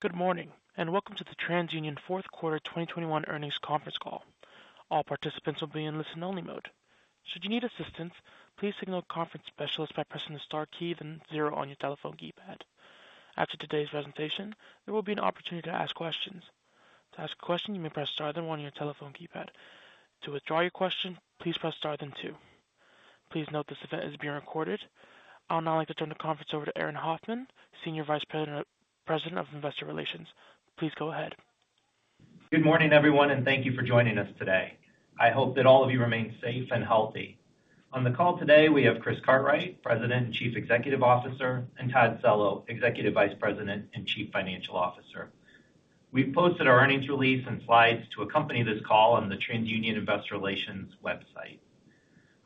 Good morning, and welcome to the TransUnion fourth quarter 2021 earnings conference call. All participants will be in listen-only mode. Should you need assistance, please signal a conference specialist by pressing the star key, then zero on your telephone keypad. After today's presentation, there will be an opportunity to ask questions. To ask a question, you may press star then one on your telephone keypad. To withdraw your question, please press star then two. Please note this event is being recorded. I will now turn the conference over to Aaron Hoffman, Senior Vice President of Investor Relations. Please go ahead. Good morning, everyone, and thank you for joining us today. I hope that all of you remain safe and healthy. On the call today, we have Chris Cartwright, President and Chief Executive Officer, and Todd Cello, Executive Vice President and Chief Financial Officer. We've posted our earnings release and slides to accompany this call on the TransUnion Investor Relations website.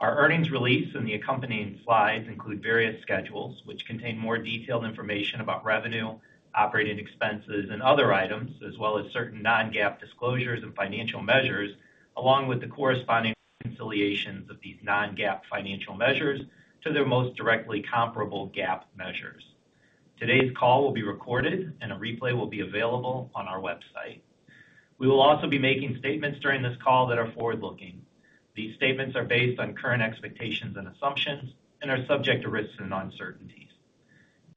Our earnings release and the accompanying slides include various schedules which contain more detailed information about revenue, operating expenses and other items, as well as certain non-GAAP disclosures and financial measures, along with the corresponding reconciliations of these non-GAAP financial measures to their most directly comparable GAAP measures. Today's call will be recorded and a replay will be available on our website. We will also be making statements during this call that are forward-looking. These statements are based on current expectations and assumptions and are subject to risks and uncertainties.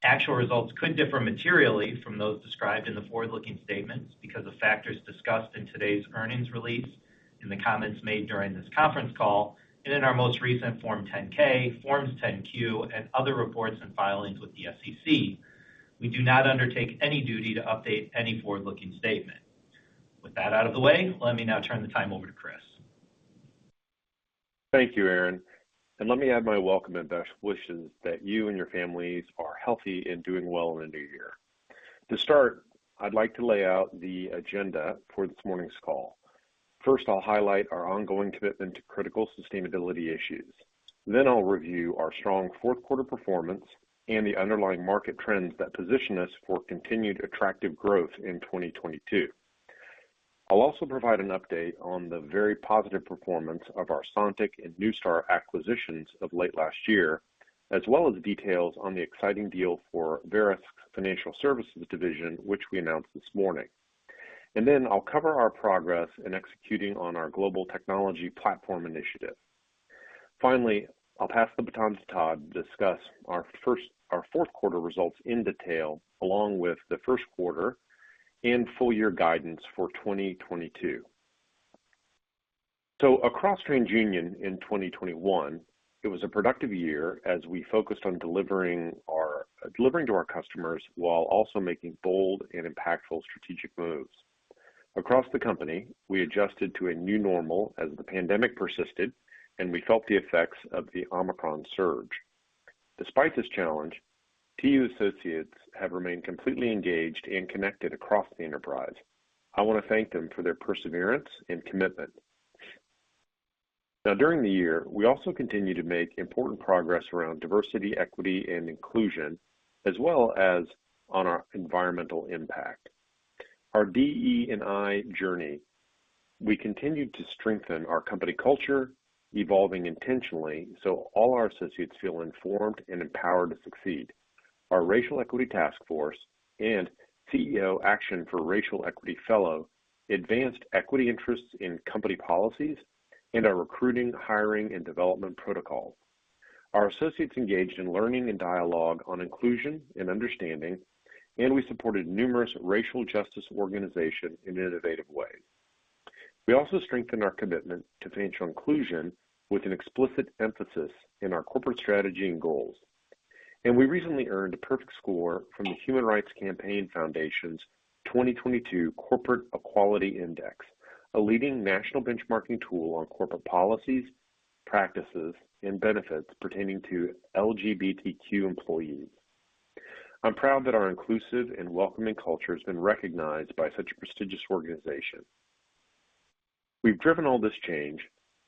Actual results could differ materially from those described in the forward-looking statements, because of factors discussed in today's earnings release, in the comments made during this conference call, and in our most recent Form 10-K, Forms 10-Q, and other reports and filings with the SEC. We do not undertake any duty to update any forward-looking statement. With that out of the way, let me now turn the time over to Chris. Thank you, Aaron, and let me add my welcome and best wishes that you and your families are healthy and doing well in the new year. To start, I'd like to lay out the agenda for this morning's call. First, I'll highlight our ongoing commitment to critical sustainability issues. Then I'll review our strong fourth quarter performance and the underlying market trends that position us for continued attractive growth in 2022. I'll also provide an update on the very positive performance of our Sontiq and Neustar acquisitions of late last year, as well as details on the exciting deal for Verisk Financial Services division, which we announced this morning. I'll cover our progress in executing on our global technology platform initiative. Finally, I'll pass the baton to Todd to discuss our fourth quarter results in detail, along with the first quarter and full year guidance for 2022. Across TransUnion in 2021, it was a productive year as we focused on delivering to our customers while also making bold and impactful strategic moves. Across the company, we adjusted to a new normal as the pandemic persisted and we felt the effects of the Omicron surge. Despite this challenge, TU associates have remained completely engaged and connected across the enterprise. I want to thank them for their perseverance and commitment. Now, during the year, we also continued to make important progress around diversity, equity, and inclusion, as well as on our environmental impact. Our DE&I journey, we continued to strengthen our company culture, evolving intentionally so all our associates feel informed and empowered to succeed. Our Racial Equity Task Force and CEO Action for Racial Equity Fellow advanced equity interests in company policies and our recruiting, hiring, and development protocol. Our associates engaged in learning and dialogue on inclusion and understanding, and we supported numerous racial justice organizations in innovative ways. We also strengthened our commitment to financial inclusion with an explicit emphasis in our corporate strategy and goals. We recently earned a perfect score from the Human Rights Campaign Foundation's 2022 Corporate Equality Index, a leading national benchmarking tool on corporate policies, practices, and benefits pertaining to LGBTQ employees. I'm proud that our inclusive and welcoming culture has been recognized by such a prestigious organization. We've driven all this change,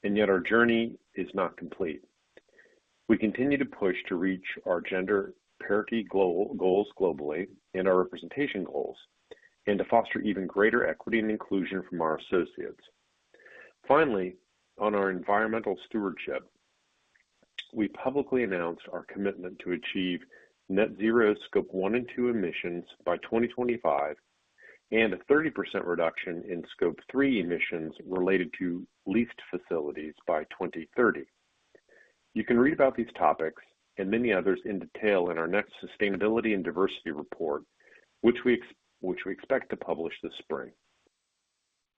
and yet our journey is not complete. We continue to push to reach our gender parity global goals globally and our representation goals, and to foster even greater equity and inclusion from our associates. Finally, on our environmental stewardship, we publicly announced our commitment to achieve net-zero scope one and two emissions by 2025 and a 30% reduction in scope three emissions related to leased facilities by 2030. You can read about these topics and many others in detail in our next Sustainability and Diversity Report, which we expect to publish this spring.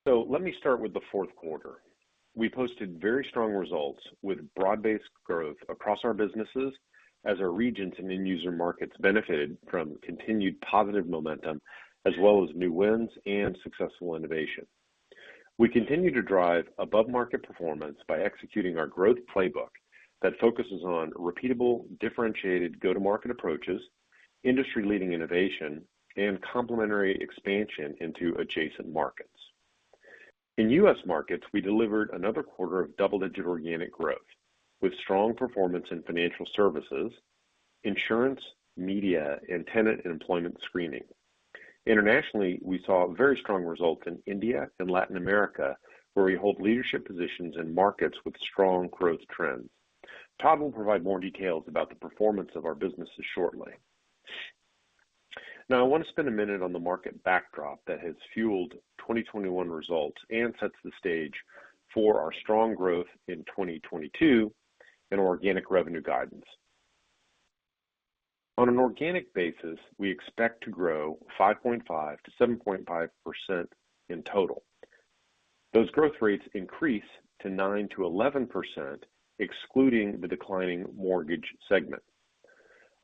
Let me start with the fourth quarter. We posted very strong results with broad-based growth across our businesses as our regions and end user markets benefited from continued positive momentum as well as new wins and successful innovation. We continue to drive above market performance by executing our growth playbook that focuses on repeatable, differentiated go-to-market approaches, industry-leading innovation, and complementary expansion into adjacent markets. In U.S. markets, we delivered another quarter of double-digit organic growth with strong performance in financial services, insurance, media, and tenant and employment screening. Internationally, we saw very strong results in India and Latin America, where we hold leadership positions in markets with strong growth trends. Todd will provide more details about the performance of our businesses shortly. Now, I want to spend a minute on the market backdrop that has fueled 2021 results and sets the stage for our strong growth in 2022 and organic revenue guidance. On an organic basis, we expect to grow 5.5%-7.5% in total. Those growth rates increase to 9%-11%, excluding the declining mortgage segment.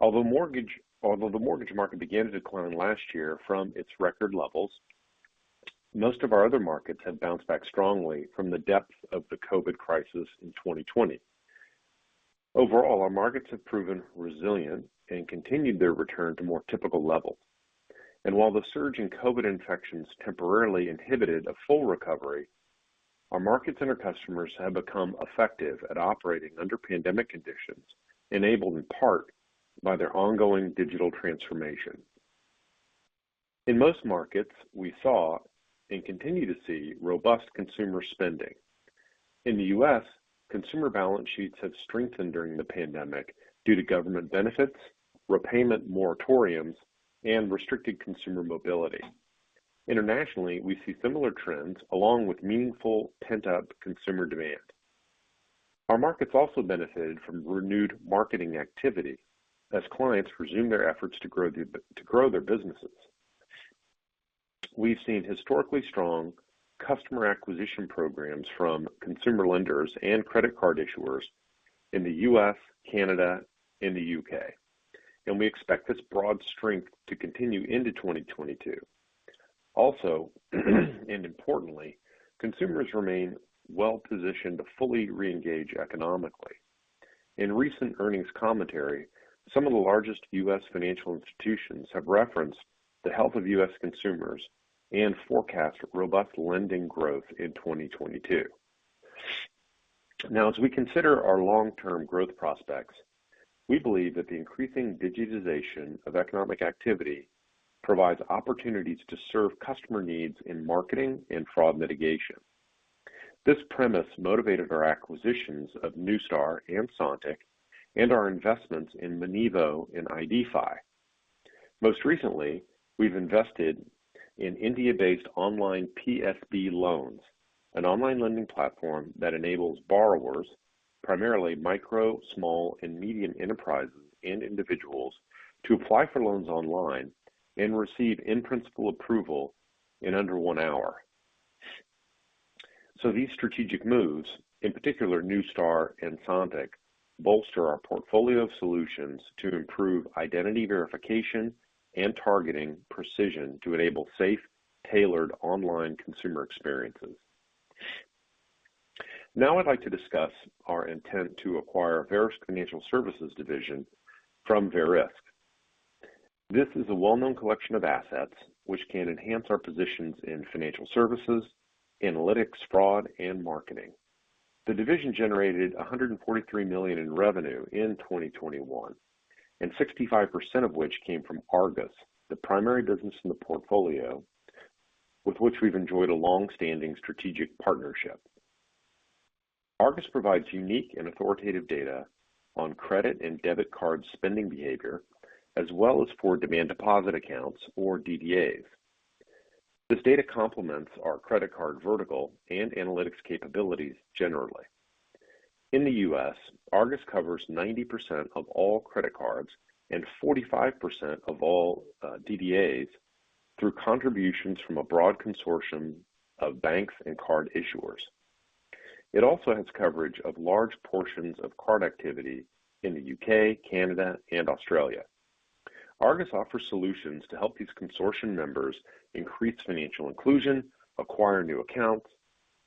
Although the mortgage market began to decline last year from its record levels, most of our other markets have bounced back strongly from the depth of the COVID crisis in 2020. Overall, our markets have proven resilient and continued their return to more typical levels. While the surge in COVID infections temporarily inhibited a full recovery, our markets and our customers have become effective at operating under pandemic conditions, enabled in part by their ongoing digital transformation. In most markets, we saw and continue to see robust consumer spending. In the U.S., consumer balance sheets have strengthened during the pandemic due to government benefits, repayment moratoriums, and restricted consumer mobility. Internationally, we see similar trends along with meaningful pent-up consumer demand. Our markets also benefited from renewed marketing activity as clients resumed their efforts to grow their businesses. We've seen historically strong customer acquisition programs from consumer lenders and credit card issuers in the U.S., Canada, and the U.K., and we expect this broad strength to continue into 2022. Also, and importantly, consumers remain well positioned to fully reengage economically. In recent earnings commentary, some of the largest U.S. financial institutions have referenced the health of U.S. consumers and forecast robust lending growth in 2022. Now, as we consider our long-term growth prospects, we believe that the increasing digitization of economic activity provides opportunities to serve customer needs in marketing and fraud mitigation. This premise motivated our acquisitions of Neustar and Sontiq and our investments in Monevo and IDfy. Most recently, we've invested in India-based Online PSB Loans, an online lending platform that enables borrowers, primarily micro, small, and medium enterprises and individuals, to apply for loans online and receive in principle approval in under one hour. These strategic moves, in particular Neustar and Sontiq, bolster our portfolio of solutions to improve identity verification and targeting precision to enable safe, tailored online consumer experiences. Now I'd like to discuss our intent to acquire Verisk Financial Services division from Verisk. This is a well-known collection of assets which can enhance our positions in financial services, analytics, fraud, and marketing. The division generated $143 million in revenue in 2021, and 65% of which came from Argus, the primary business in the portfolio, with which we've enjoyed a long-standing strategic partnership. Argus provides unique and authoritative data on credit and debit card spending behavior, as well as for demand deposit accounts or DDAs. This data complements our credit card vertical and analytics capabilities generally. In the U.S., Argus covers 90% of all credit cards and 45% of all DDAs through contributions from a broad consortium of banks and card issuers. It also has coverage of large portions of card activity in the U.K., Canada, and Australia. Argus offers solutions to help these consortium members increase financial inclusion, acquire new accounts,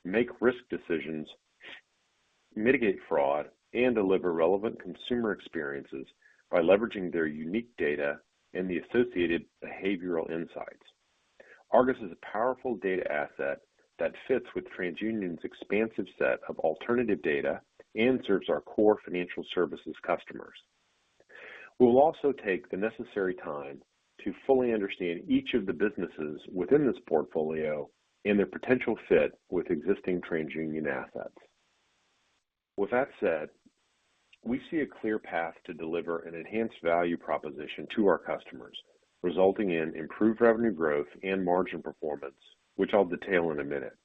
make risk decisions, mitigate fraud, and deliver relevant consumer experiences by leveraging their unique data and the associated behavioral insights. Argus is a powerful data asset that fits with TransUnion's expansive set of alternative data and serves our core financial services customers. We'll also take the necessary time to fully understand each of the businesses within this portfolio and their potential fit with existing TransUnion assets. With that said, we see a clear path to deliver an enhanced value proposition to our customers, resulting in improved revenue growth and margin performance, which I'll detail in a minute.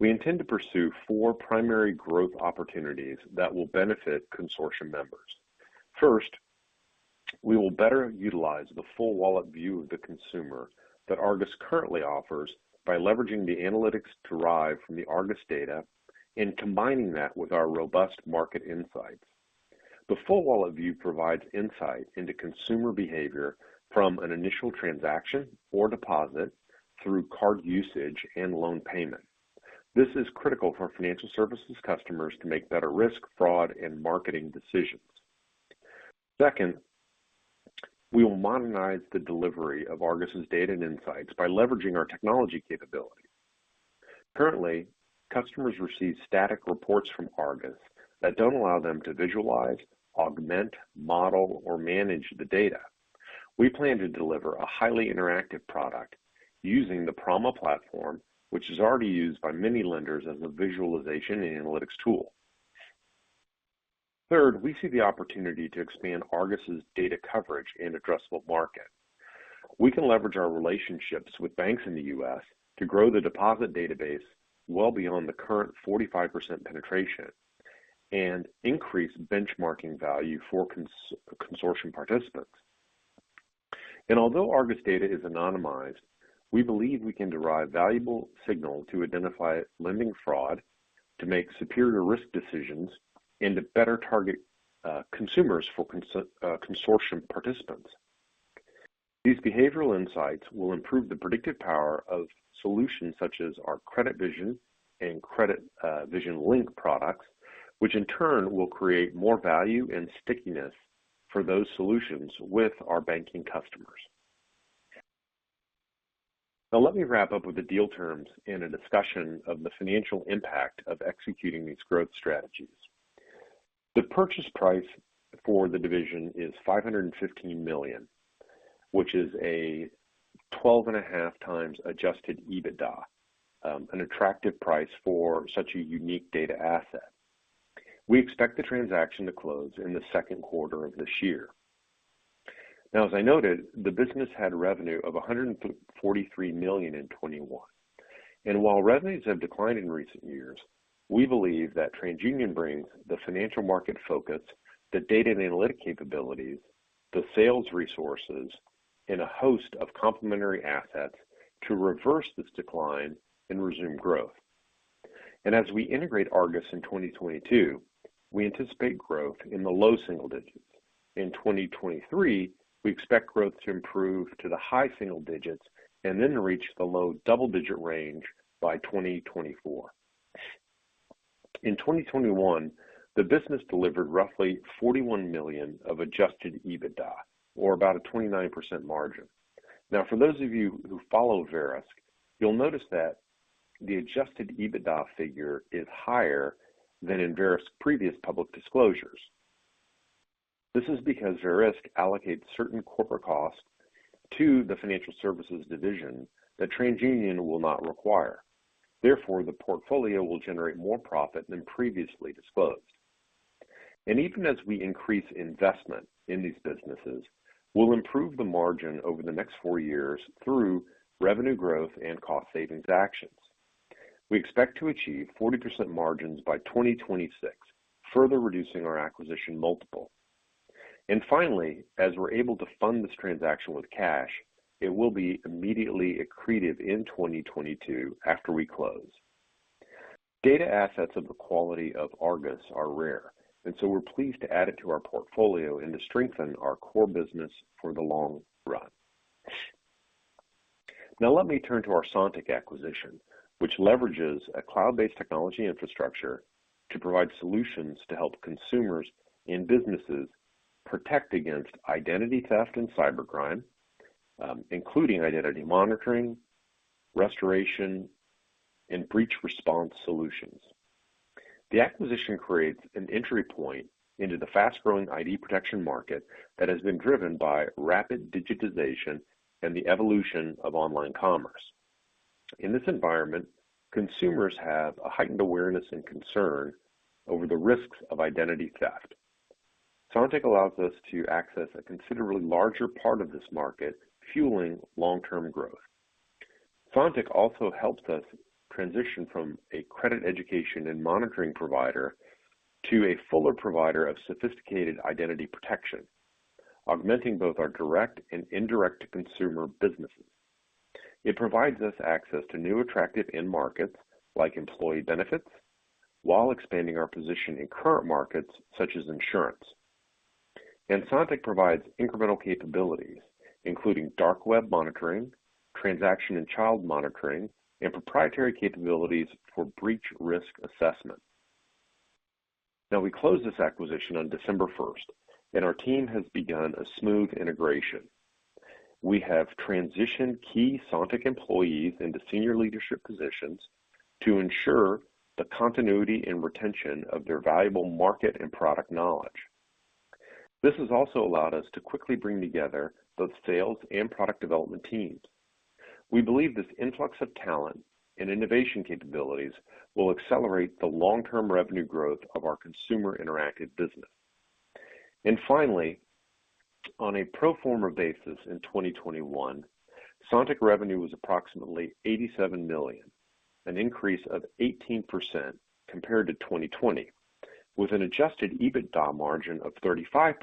We intend to pursue four primary growth opportunities that will benefit consortium members. First, we will better utilize the full wallet view of the consumer that Argus currently offers by leveraging the analytics derived from the Argus data and combining that with our robust market insights. The full wallet view provides insight into consumer behavior from an initial transaction or deposit through card usage and loan payment. This is critical for financial services customers to make better risk, fraud, and marketing decisions. Second, we will modernize the delivery of Argus's data and insights by leveraging our technology capabilities. Currently, customers receive static reports from Argus that don't allow them to visualize, augment, model, or manage the data. We plan to deliver a highly interactive product using the Prama platform, which is already used by many lenders as a visualization and analytics tool. Third, we see the opportunity to expand Argus's data coverage and addressable market. We can leverage our relationships with banks in the U.S. to grow the deposit database well beyond the current 45% penetration and increase benchmarking value for consortium participants. Although Argus data is anonymized, we believe we can derive valuable signals to identify lending fraud, to make superior risk decisions, and to better target consumers for consortium participants. These behavioral insights will improve the predictive power of solutions such as our CreditVision and CreditVision Link products, which in turn will create more value and stickiness for those solutions with our banking customers. Now let me wrap up with the deal terms and a discussion of the financial impact of executing these growth strategies. The purchase price for the division is $515 million, which is a 12.5x adjusted EBITDA, an attractive price for such a unique data asset. We expect the transaction to close in the second quarter of this year. Now, as I noted, the business had revenue of $143 million in 2021. While revenues have declined in recent years, we believe that TransUnion brings the financial market focus, the data and analytic capabilities, the sales resources, and a host of complementary assets to reverse this decline and resume growth. As we integrate Argus in 2022, we anticipate growth in the low single digits. In 2023, we expect growth to improve to the high single digits and then reach the low double-digit range by 2024. In 2021, the business delivered roughly $41 million of adjusted EBITDA or about a 29% margin. Now for those of you who follow Verisk, you'll notice that the adjusted EBITDA figure is higher than in Verisk's previous public disclosures. This is because Verisk allocates certain corporate costs to the Financial Services division that TransUnion will not require. Therefore, the portfolio will generate more profit than previously disclosed. Even as we increase investment in these businesses, we'll improve the margin over the next four years through revenue growth and cost savings actions. We expect to achieve 40% margins by 2026, further reducing our acquisition multiple. Finally, as we're able to fund this transaction with cash, it will be immediately accretive in 2022 after we close. Data assets of the quality of Argus are rare, and so we're pleased to add it to our portfolio and to strengthen our core business for the long run. Now let me turn to our Sontiq acquisition, which leverages a cloud-based technology infrastructure to provide solutions to help consumers and businesses protect against identity theft and cybercrime, including identity monitoring, restoration, and breach response solutions. The acquisition creates an entry point into the fast-growing ID protection market that has been driven by rapid digitization and the evolution of online commerce. In this environment, consumers have a heightened awareness and concern over the risks of identity theft. Sontiq allows us to access a considerably larger part of this market, fueling long-term growth. Sontiq also helps us transition from a credit education and monitoring provider to a fuller provider of sophisticated identity protection, augmenting both our direct and indirect consumer businesses. It provides us access to new attractive end markets, like employee benefits, while expanding our position in current markets such as insurance. Sontiq provides incremental capabilities, including dark web monitoring, transaction and child monitoring, and proprietary capabilities for breach risk assessment. Now we closed this acquisition on December 1st, and our team has begun a smooth integration. We have transitioned key Sontiq employees into senior leadership positions to ensure the continuity and retention of their valuable market and product knowledge. This has also allowed us to quickly bring together both sales and product development teams. We believe this influx of talent and innovation capabilities will accelerate the long-term revenue growth of our consumer interactive business. Finally, on a pro forma basis in 2021, Sontiq revenue was approximately $87 million, an increase of 18% compared to 2020, with an adjusted EBITDA margin of 35%,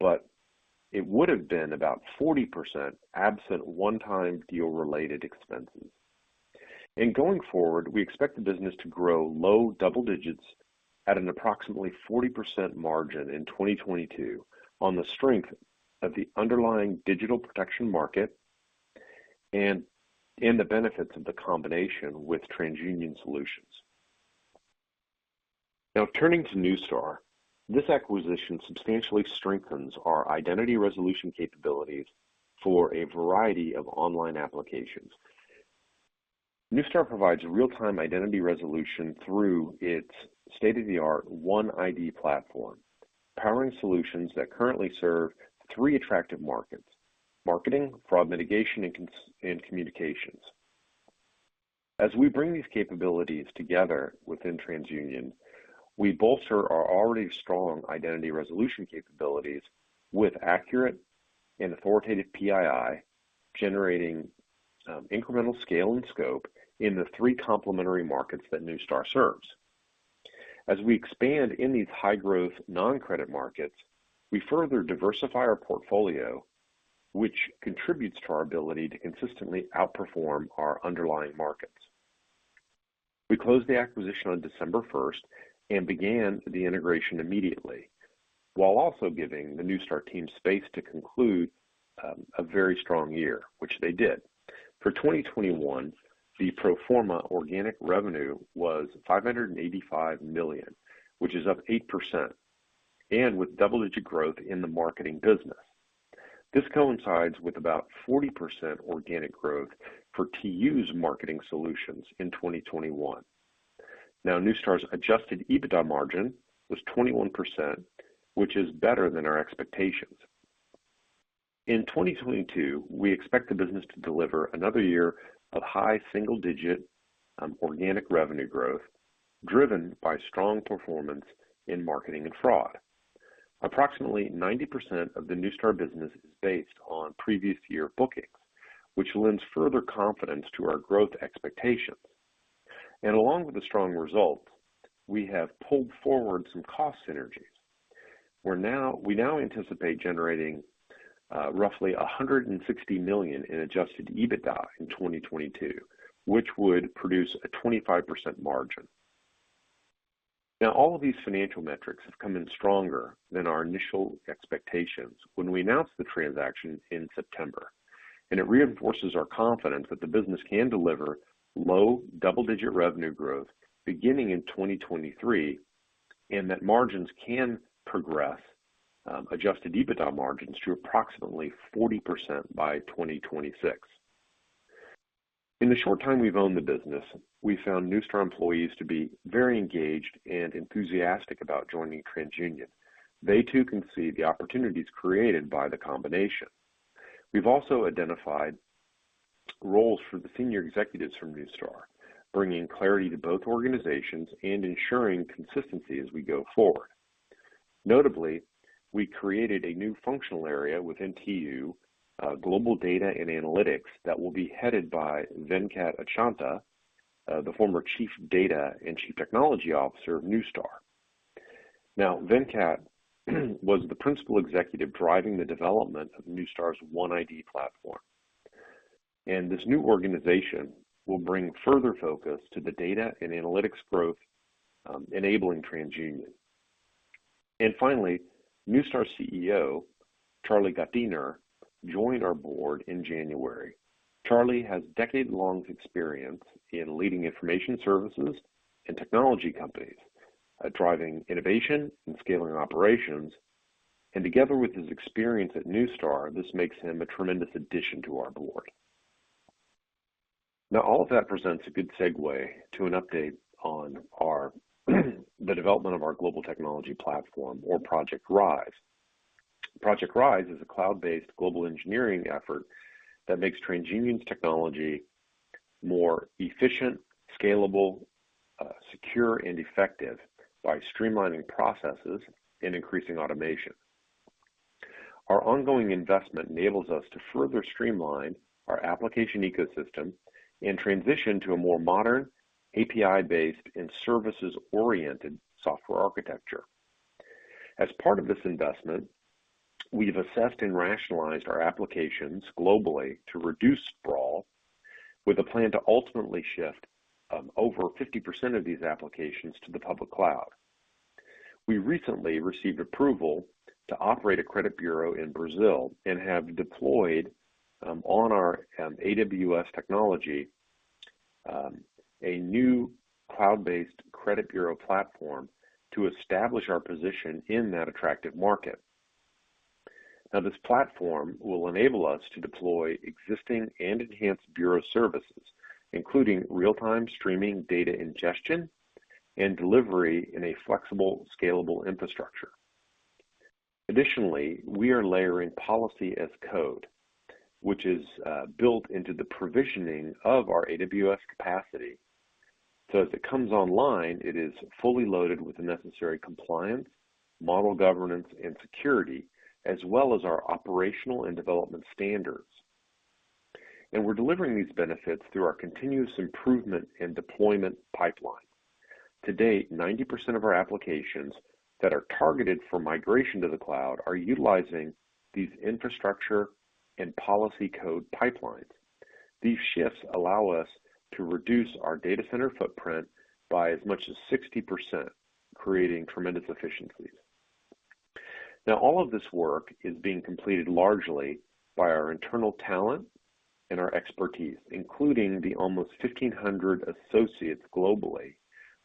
but it would have been about 40% absent one-time deal related expenses. Going forward, we expect the business to grow low double digits at an approximately 40% margin in 2022 on the strength of the underlying digital protection market and the benefits of the combination with TransUnion solutions. Now turning to Neustar. This acquisition substantially strengthens our identity resolution capabilities for a variety of online applications. Neustar provides real-time identity resolution through its state-of-the-art OneID platform, powering solutions that currently serve three attractive markets. Marketing, fraud mitigation, and communications. As we bring these capabilities together within TransUnion, we bolster our already strong identity resolution capabilities with accurate and authoritative PII, generating incremental scale and scope in the three complementary markets that Neustar serves. As we expand in these high-growth non-credit markets, we further diversify our portfolio, which contributes to our ability to consistently outperform our underlying markets. We closed the acquisition on December 1st and began the integration immediately, while also giving the Neustar team space to conclude a very strong year, which they did. For 2021, the pro forma organic revenue was $585 million, which is up 8% and with double-digit growth in the marketing business. This coincides with about 40% organic growth for TU's marketing solutions in 2021. Now, Neustar's adjusted EBITDA margin was 21%, which is better than our expectations. In 2022, we expect the business to deliver another year of high single-digit organic revenue growth driven by strong performance in marketing and fraud. Approximately 90% of the Neustar business is based on previous year bookings, which lends further confidence to our growth expectations. Along with the strong results, we have pulled forward some cost synergies. We now anticipate generating roughly $160 million in adjusted EBITDA in 2022, which would produce a 25% margin. Now, all of these financial metrics have come in stronger than our initial expectations when we announced the transaction in September, and it reinforces our confidence that the business can deliver low double-digit revenue growth beginning in 2023, and that margins can progress adjusted EBITDA margins to approximately 40% by 2026. In the short time we've owned the business, we found Neustar employees to be very engaged and enthusiastic about joining TransUnion. They too can see the opportunities created by the combination. We've also identified roles for the senior executives from Neustar, bringing clarity to both organizations and ensuring consistency as we go forward. Notably, we created a new functional area within TU, Global Data and Analytics, that will be headed by Venkat Achanta, the former Chief Data and Chief Technology Officer of Neustar. Now, Venkat was the principal executive driving the development of Neustar's OneID platform. This new organization will bring further focus to the data and analytics growth, enabling TransUnion. Finally, Neustar CEO Charlie Gottdiener joined our board in January. Charlie has decade-long experience in leading information services and technology companies, driving innovation and scaling operations. Together with his experience at Neustar, this makes him a tremendous addition to our board. Now, all of that presents a good segue to an update on the development of our global technology platform or Project Rise. Project Rise is a cloud-based global engineering effort that makes TransUnion's technology more efficient, scalable, secure, and effective by streamlining processes and increasing automation. Our ongoing investment enables us to further streamline our application ecosystem and transition to a more modern API-based and services-oriented software architecture. As part of this investment, we've assessed and rationalized our applications globally to reduce sprawl with a plan to ultimately shift over 50% of these applications to the public cloud. We recently received approval to operate a credit bureau in Brazil and have deployed on our AWS technology a new cloud-based credit bureau platform to establish our position in that attractive market. Now, this platform will enable us to deploy existing and enhanced bureau services, including real-time streaming data ingestion and delivery in a flexible, scalable infrastructure. Additionally, we are layering policy as code, which is built into the provisioning of our AWS capacity. So as it comes online, it is fully loaded with the necessary compliance, model governance, and security, as well as our operational and development standards. We're delivering these benefits through our continuous improvement and deployment pipeline. To date, 90% of our applications that are targeted for migration to the cloud are utilizing these infrastructure and policy code pipelines. These shifts allow us to reduce our data center footprint by as much as 60%, creating tremendous efficiencies. Now all of this work is being completed largely by our internal talent and our expertise, including the almost 1,500 associates globally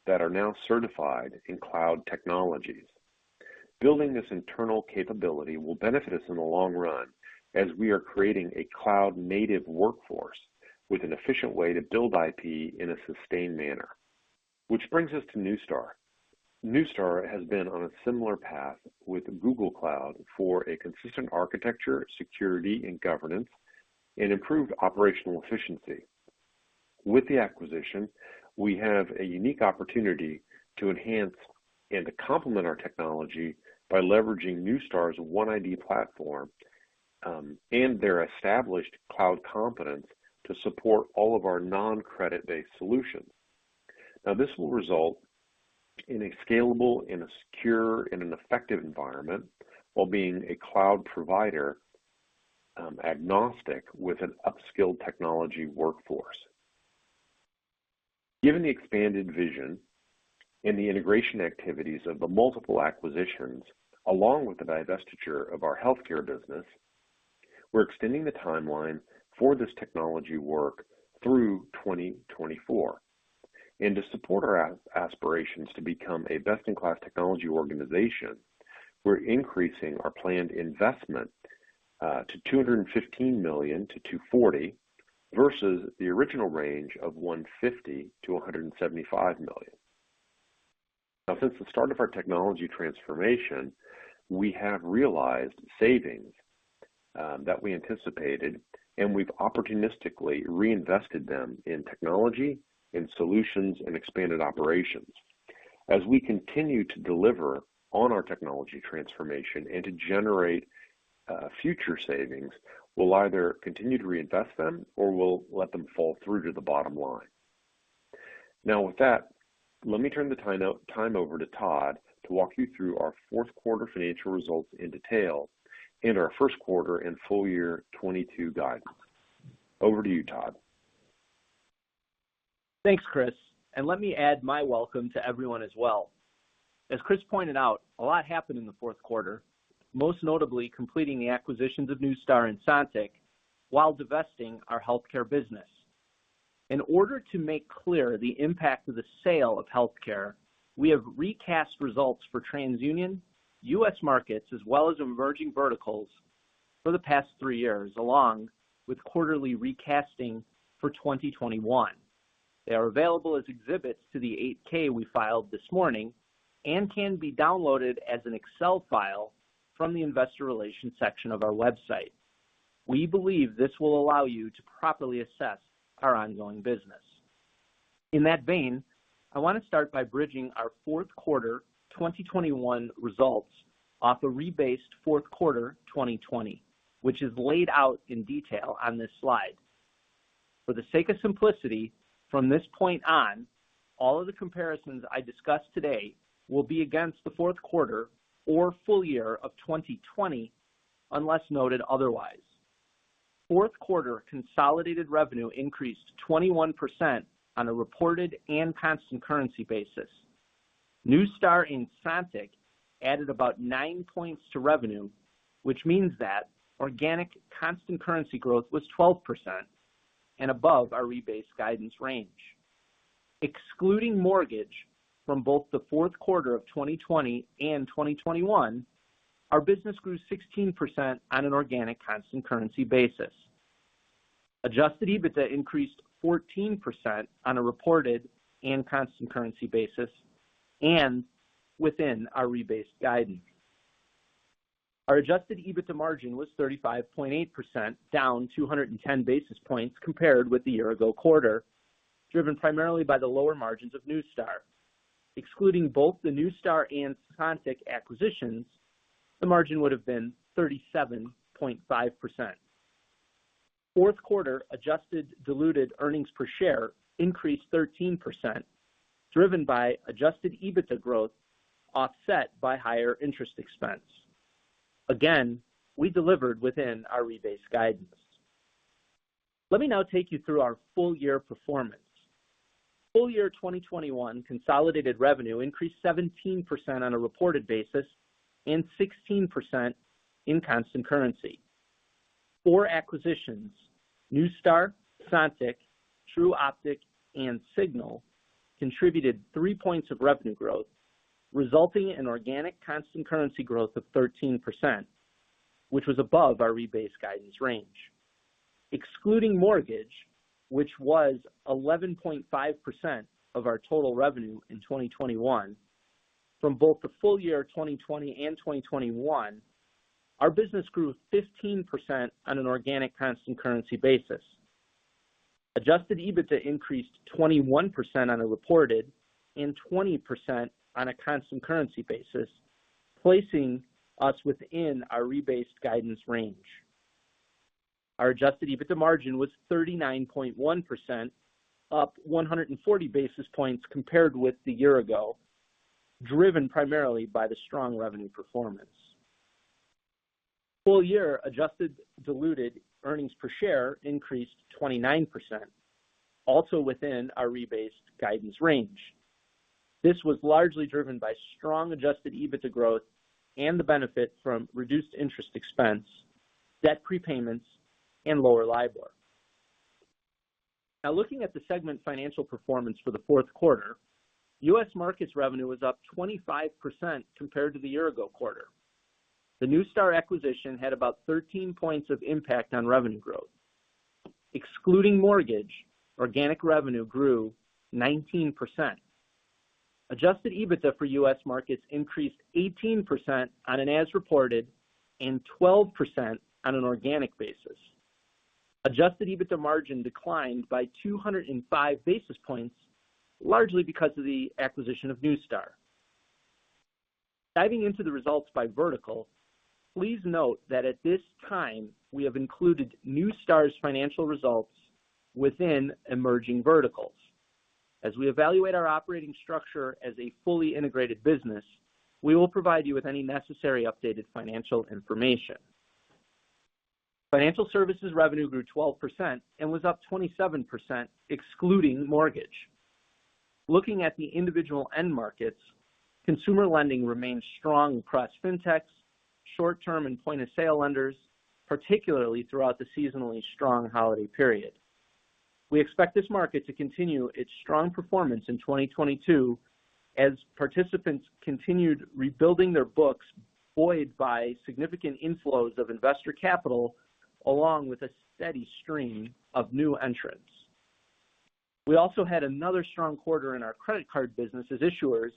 that are now certified in cloud technologies. Building this internal capability will benefit us in the long run as we are creating a cloud-native workforce with an efficient way to build IP in a sustained manner. Which brings us to Neustar. Neustar has been on a similar path with Google Cloud for a consistent architecture, security, and governance, and improved operational efficiency. With the acquisition, we have a unique opportunity to enhance and to complement our technology by leveraging Neustar's OneID platform, and their established cloud competence to support all of our non-credit-based solutions. This will result in a scalable and a secure and an effective environment while being a cloud provider agnostic with an upskilled technology workforce. Given the expanded vision and the integration activities of the multiple acquisitions, along with the divestiture of our healthcare business, we're extending the timeline for this technology work through 2024. To support our aspirations to become a best-in-class technology organization, we're increasing our planned investment to $215 million-$240 million versus the original range of $150 million-$175 million. Since the start of our technology transformation, we have realized savings that we anticipated, and we've opportunistically reinvested them in technology and solutions and expanded operations. As we continue to deliver on our technology transformation and to generate future savings, we'll either continue to reinvest them or we'll let them fall through to the bottom line. Now with that, let me turn the time over to Todd to walk you through our fourth quarter financial results in detail and our first quarter and full year 2022 guidance. Over to you, Todd. Thanks, Chris, and let me add my welcome to everyone as well. As Chris pointed out, a lot happened in the fourth quarter, most notably completing the acquisitions of Neustar and Sontiq while divesting our healthcare business. In order to make clear the impact of the sale of healthcare, we have recast results for TransUnion, U.S. markets, as well as emerging verticals for the past three years, along with quarterly recasting for 2021. They are available as exhibits to the 8-K we filed this morning and can be downloaded as an Excel file from the investor relations section of our website. We believe this will allow you to properly assess our ongoing business. In that vein, I want to start by bridging our fourth quarter 2021 results off a rebased fourth quarter 2020, which is laid out in detail on this slide. For the sake of simplicity, from this point on, all of the comparisons I discuss today will be against the fourth quarter or full year of 2020, unless noted otherwise. Fourth quarter consolidated revenue increased 21% on a reported and constant currency basis. Neustar and Sontiq added about 9 points to revenue, which means that organic constant currency growth was 12% and above our rebased guidance range. Excluding mortgage from both the fourth quarter of 2020 and 2021, our business grew 16% on an organic constant currency basis. Adjusted EBITDA increased 14% on a reported and constant currency basis and within our rebased guidance. Our adjusted EBITDA margin was 35.8%, down 210 basis points compared with the year ago quarter, driven primarily by the lower margins of Neustar. Excluding both the Neustar and Sontiq acquisitions, the margin would have been 37.5%. Fourth quarter adjusted diluted earnings per share increased 13%, driven by adjusted EBITDA growth, offset by higher interest expense. Again, we delivered within our rebased guidance. Let me now take you through our full year performance. Full year 2021 consolidated revenue increased 17% on a reported basis and 16% in constant currency. Four acquisitions, Neustar, Sontiq, Tru Optik, and Signal, contributed 3 points of revenue growth, resulting in organic constant currency growth of 13%, which was above our rebased guidance range. Excluding mortgage, which was 11.5% of our total revenue in 2021, from both the full year 2020 and 2021, our business grew 15% on an organic constant currency basis. Adjusted EBITDA increased 21% on a reported and 20% on a constant currency basis, placing us within our rebased guidance range. Our adjusted EBITDA margin was 39.1%, up 140 basis points compared with the year-ago, driven primarily by the strong revenue performance. Full-year adjusted diluted earnings per share increased 29%, also within our rebased guidance range. This was largely driven by strong adjusted EBITDA growth and the benefit from reduced interest expense, debt prepayments, and lower LIBOR. Now looking at the segment financial performance for the fourth quarter, U.S. Markets revenue was up 25% compared to the year-ago quarter. The Neustar acquisition had about 13 points of impact on revenue growth. Excluding mortgage, organic revenue grew 19%. Adjusted EBITDA for U.S. Markets increased 18% on an as-reported and 12% on an organic basis. Adjusted EBITDA margin declined by 205 basis points, largely because of the acquisition of Neustar. Diving into the results by vertical, please note that at this time, we have included Neustar's financial results within emerging verticals. As we evaluate our operating structure as a fully integrated business, we will provide you with any necessary updated financial information. Financial services revenue grew 12% and was up 27% excluding mortgage. Looking at the individual end markets, consumer lending remained strong across FinTechs, short-term and point-of-sale lenders, particularly throughout the seasonally strong holiday period. We expect this market to continue its strong performance in 2022 as participants continued rebuilding their books, buoyed by significant inflows of investor capital along with a steady stream of new entrants. We also had another strong quarter in our credit card business as issuers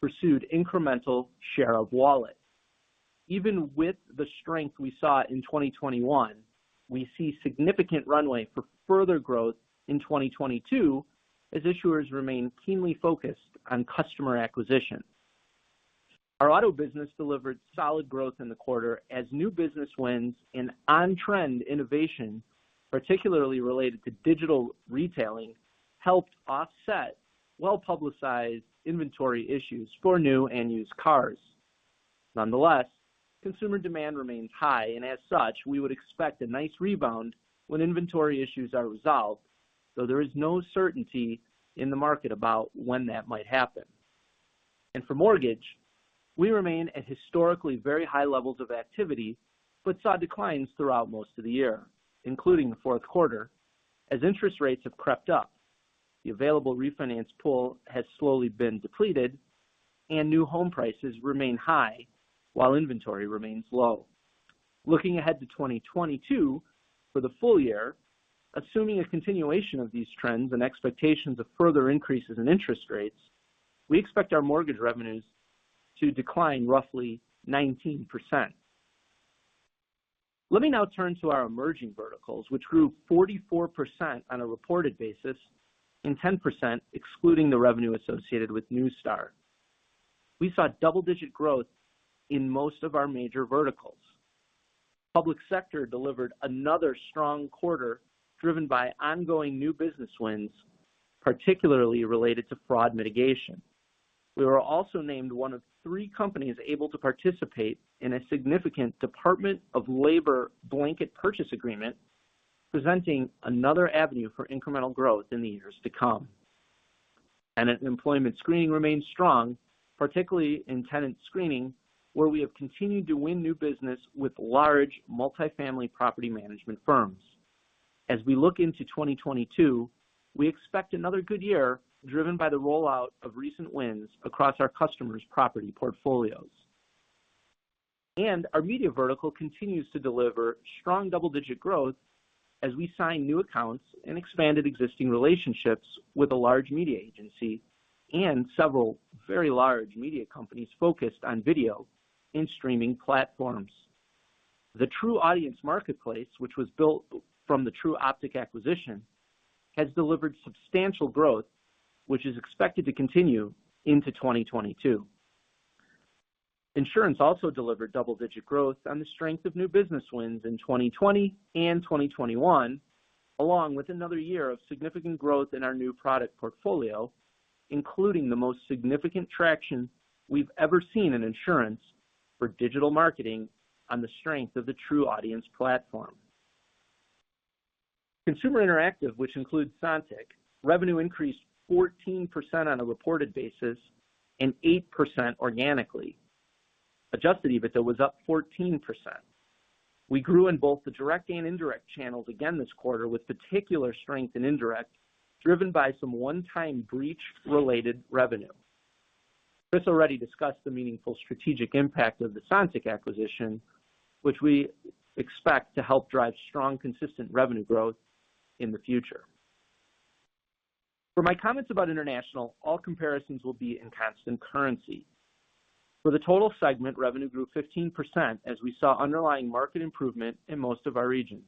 pursued incremental share of wallet. Even with the strength we saw in 2021, we see significant runway for further growth in 2022 as issuers remain keenly focused on customer acquisition. Our auto business delivered solid growth in the quarter as new business wins and on-trend innovation, particularly related to digital retailing, helped offset well-publicized inventory issues for new and used cars. Nonetheless, consumer demand remains high, and as such, we would expect a nice rebound when inventory issues are resolved, though there is no certainty in the market about when that might happen. For mortgage, we remain at historically very high levels of activity, but saw declines throughout most of the year, including the fourth quarter, as interest rates have crept up. The available refinance pool has slowly been depleted and new home prices remain high while inventory remains low. Looking ahead to 2022 for the full year, assuming a continuation of these trends and expectations of further increases in interest rates, we expect our mortgage revenues to decline roughly 19%. Let me now turn to our emerging verticals, which grew 44% on a reported basis and 10% excluding the revenue associated with Neustar. We saw double-digit growth in most of our major verticals. Public sector delivered another strong quarter driven by ongoing new business wins, particularly related to fraud mitigation. We were also named one of three companies able to participate in a significant Department of Labor blanket purchase agreement, presenting another avenue for incremental growth in the years to come. Employment screening remains strong, particularly in tenant screening, where we have continued to win new business with large multifamily property management firms. As we look into 2022, we expect another good year driven by the rollout of recent wins across our customers' property portfolios. Our media vertical continues to deliver strong double-digit growth as we sign new accounts and expanded existing relationships with a large media agency and several very large media companies focused on video and streaming platforms. The TruAudience Marketplace, which was built from the Tru Optik acquisition, has delivered substantial growth, which is expected to continue into 2022. Insurance also delivered double-digit growth on the strength of new business wins in 2020 and 2021, along with another year of significant growth in our new product portfolio, including the most significant traction we've ever seen in insurance for digital marketing on the strength of the TruAudience platform. Consumer Interactive, which includes Sontiq, revenue increased 14% on a reported basis and 8% organically. Adjusted EBITDA was up 14%. We grew in both the direct and indirect channels again this quarter, with particular strength in indirect, driven by some one-time breach-related revenue. Chris already discussed the meaningful strategic impact of the Sontiq acquisition, which we expect to help drive strong, consistent revenue growth in the future. For my comments about International, all comparisons will be in constant currency. For the total segment, revenue grew 15% as we saw underlying market improvement in most of our regions.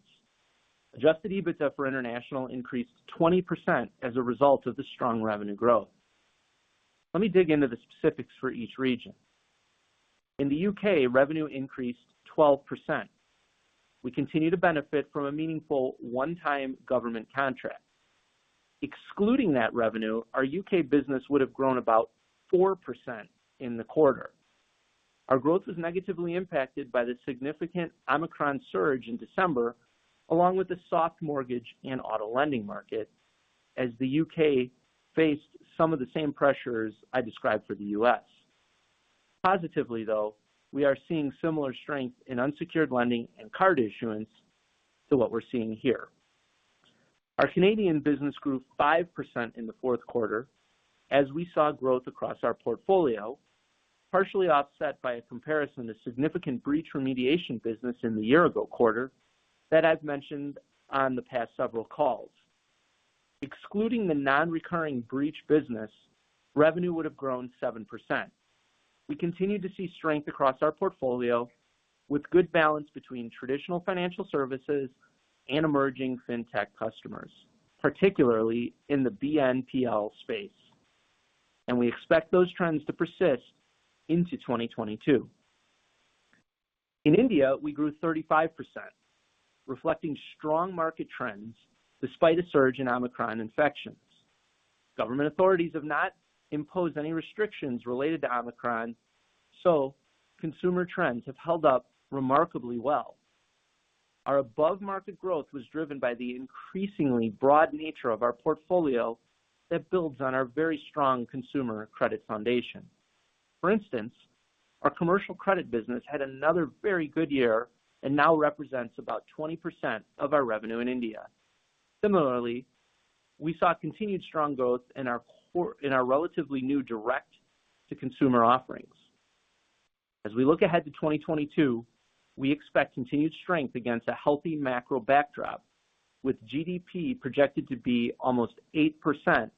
Adjusted EBITDA for International increased 20% as a result of the strong revenue growth. Let me dig into the specifics for each region. In the U.K., revenue increased 12%. We continue to benefit from a meaningful one-time government contract. Excluding that revenue, our U.K. business would have grown about 4% in the quarter. Our growth was negatively impacted by the significant Omicron surge in December, along with the soft mortgage and auto lending market as the U.K. faced some of the same pressures I described for the U.S. Positively, though, we are seeing similar strength in unsecured lending and card issuance to what we're seeing here. Our Canadian business grew 5% in the fourth quarter as we saw growth across our portfolio, partially offset by a comparison to significant breach remediation business in the year-ago quarter that I've mentioned on the past several calls. Excluding the non-recurring breach business, revenue would have grown 7%. We continue to see strength across our portfolio with good balance between traditional financial services and emerging FinTech customers, particularly in the BNPL space. We expect those trends to persist into 2022. In India, we grew 35%, reflecting strong market trends despite a surge in Omicron infections. Government authorities have not imposed any restrictions related to Omicron, so consumer trends have held up remarkably well. Our above-market growth was driven by the increasingly broad nature of our portfolio that builds on our very strong consumer credit foundation. For instance, our commercial credit business had another very good year and now represents about 20% of our revenue in India. Similarly, we saw continued strong growth in our relatively new direct-to-consumer offerings. As we look ahead to 2022, we expect continued strength against a healthy macro backdrop, with GDP projected to be almost 8%,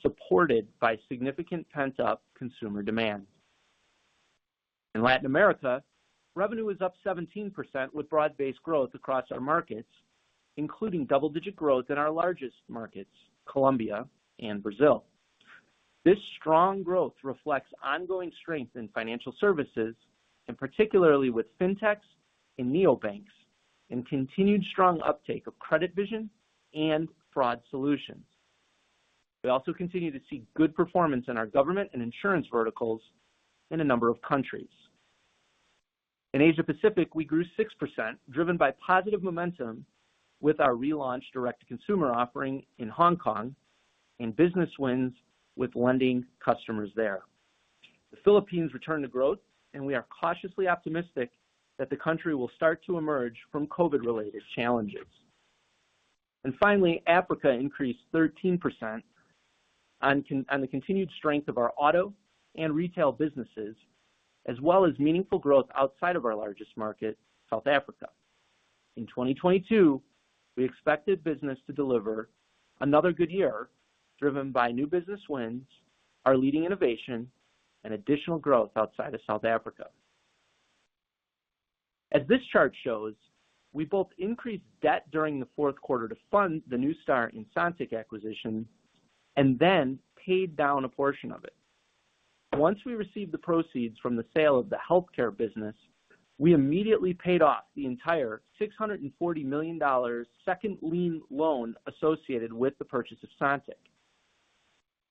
supported by significant pent-up consumer demand. In Latin America, revenue was up 17% with broad-based growth across our markets, including double-digit growth in our largest markets, Colombia and Brazil. This strong growth reflects ongoing strength in financial services, and particularly with FinTechs and neobanks, and continued strong uptake of CreditVision and fraud solutions. We also continue to see good performance in our government and insurance verticals in a number of countries. In Asia Pacific, we grew 6%, driven by positive momentum with our relaunched direct-to-consumer offering in Hong Kong and business wins with lending customers there. The Philippines returned to growth, and we are cautiously optimistic that the country will start to emerge from COVID-related challenges. Finally, Africa increased 13% on the continued strength of our auto and retail businesses, as well as meaningful growth outside of our largest market, South Africa. In 2022, we expected business to deliver another good year driven by new business wins, our leading innovation, and additional growth outside of South Africa. As this chart shows, we both increased debt during the fourth quarter to fund the Neustar and Sontiq acquisition and then paid down a portion of it. Once we received the proceeds from the sale of the healthcare business, we immediately paid off the entire $640 million second lien loan associated with the purchase of Sontiq.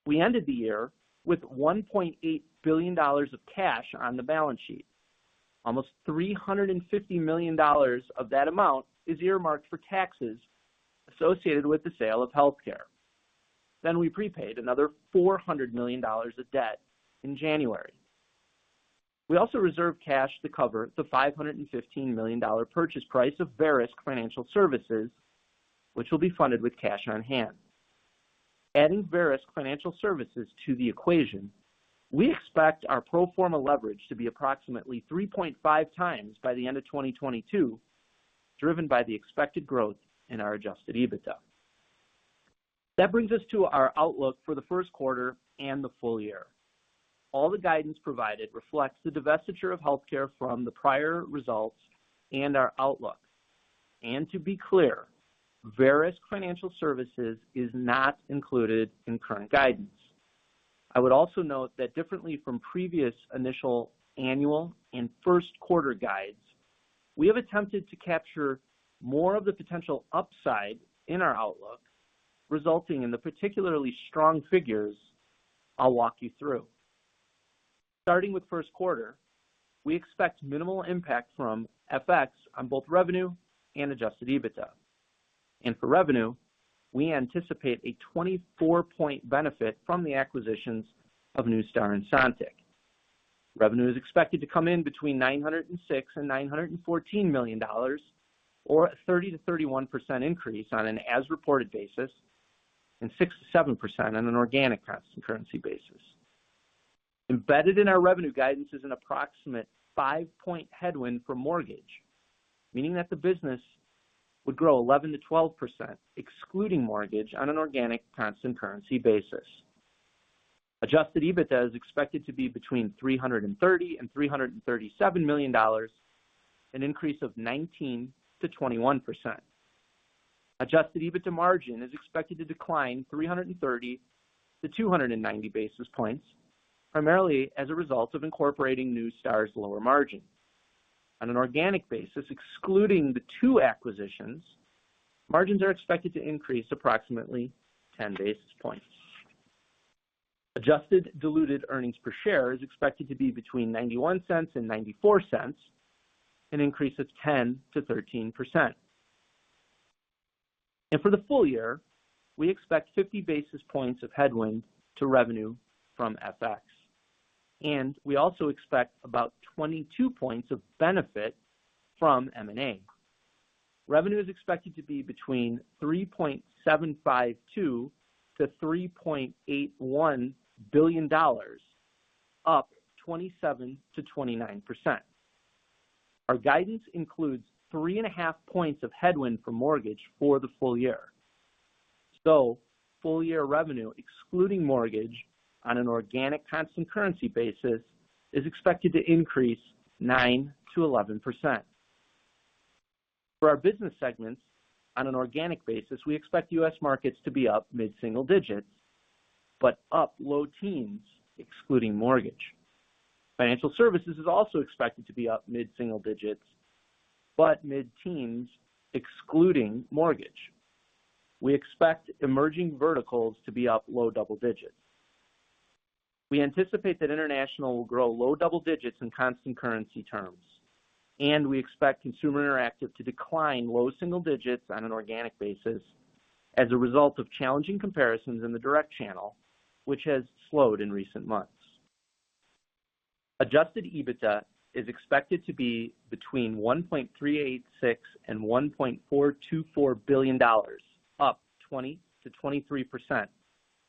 We ended the year with $1.8 billion of cash on the balance sheet. Almost $350 million of that amount is earmarked for taxes associated with the sale of healthcare. We prepaid another $400 million of debt in January. We also reserved cash to cover the $515 million purchase price of Verisk Financial Services, which will be funded with cash on hand. Adding Verisk Financial Services to the equation, we expect our pro forma leverage to be approximately 3.5x by the end of 2022, driven by the expected growth in our adjusted EBITDA. That brings us to our outlook for the first quarter and the full year. All the guidance provided reflects the divestiture of healthcare from the prior results and our outlook. To be clear, Verisk Financial Services is not included in current guidance. I would also note that differently from previous initial annual and first quarter guides, we have attempted to capture more of the potential upside in our outlook, resulting in the particularly strong figures I'll walk you through. Starting with first quarter, we expect minimal impact from FX on both revenue and adjusted EBITDA. For revenue, we anticipate a 24-point benefit from the acquisitions of Neustar and Sontiq. Revenue is expected to come in between $906 million and $914 million or a 30%-31% increase on an as-reported basis and 6%-7% on an organic constant currency basis. Embedded in our revenue guidance is an approximate 5-point headwind for mortgage, meaning that the business would grow 11%-12% excluding mortgage on an organic constant currency basis. Adjusted EBITDA is expected to be between $330 million and $337 million, an increase of 19%-21%. Adjusted EBITDA margin is expected to decline 330 to 290 basis points, primarily as a result of incorporating Neustar's lower margin. On an organic basis, excluding the two acquisitions, margins are expected to increase approximately 10 basis points. Adjusted diluted earnings per share is expected to be between $0.91 and $0.94, an increase of 10%-13%. For the full year, we expect 50 basis points of headwind to revenue from FX. We also expect about 22 points of benefit from M&A. Revenue is expected to be between $3.752 billion-$3.81 billion, up 27%-29%. Our guidance includes 3.5 points of headwind for mortgage for the full year. Full year revenue, excluding mortgage on an organic constant currency basis is expected to increase 9%-11%. For our business segments on an organic basis, we expect U.S. Markets to be up mid-single digits, but up low teens excluding mortgage. Financial Services is also expected to be up mid-single digits, but mid-teens excluding mortgage. We expect emerging verticals to be up low double digits. We anticipate that International will grow low double digits in constant currency terms, and we expect Consumer Interactive to decline low single digits on an organic basis as a result of challenging comparisons in the direct channel, which has slowed in recent months. Adjusted EBITDA is expected to be between $1.386 billion and $1.424 billion, up 20%-23%.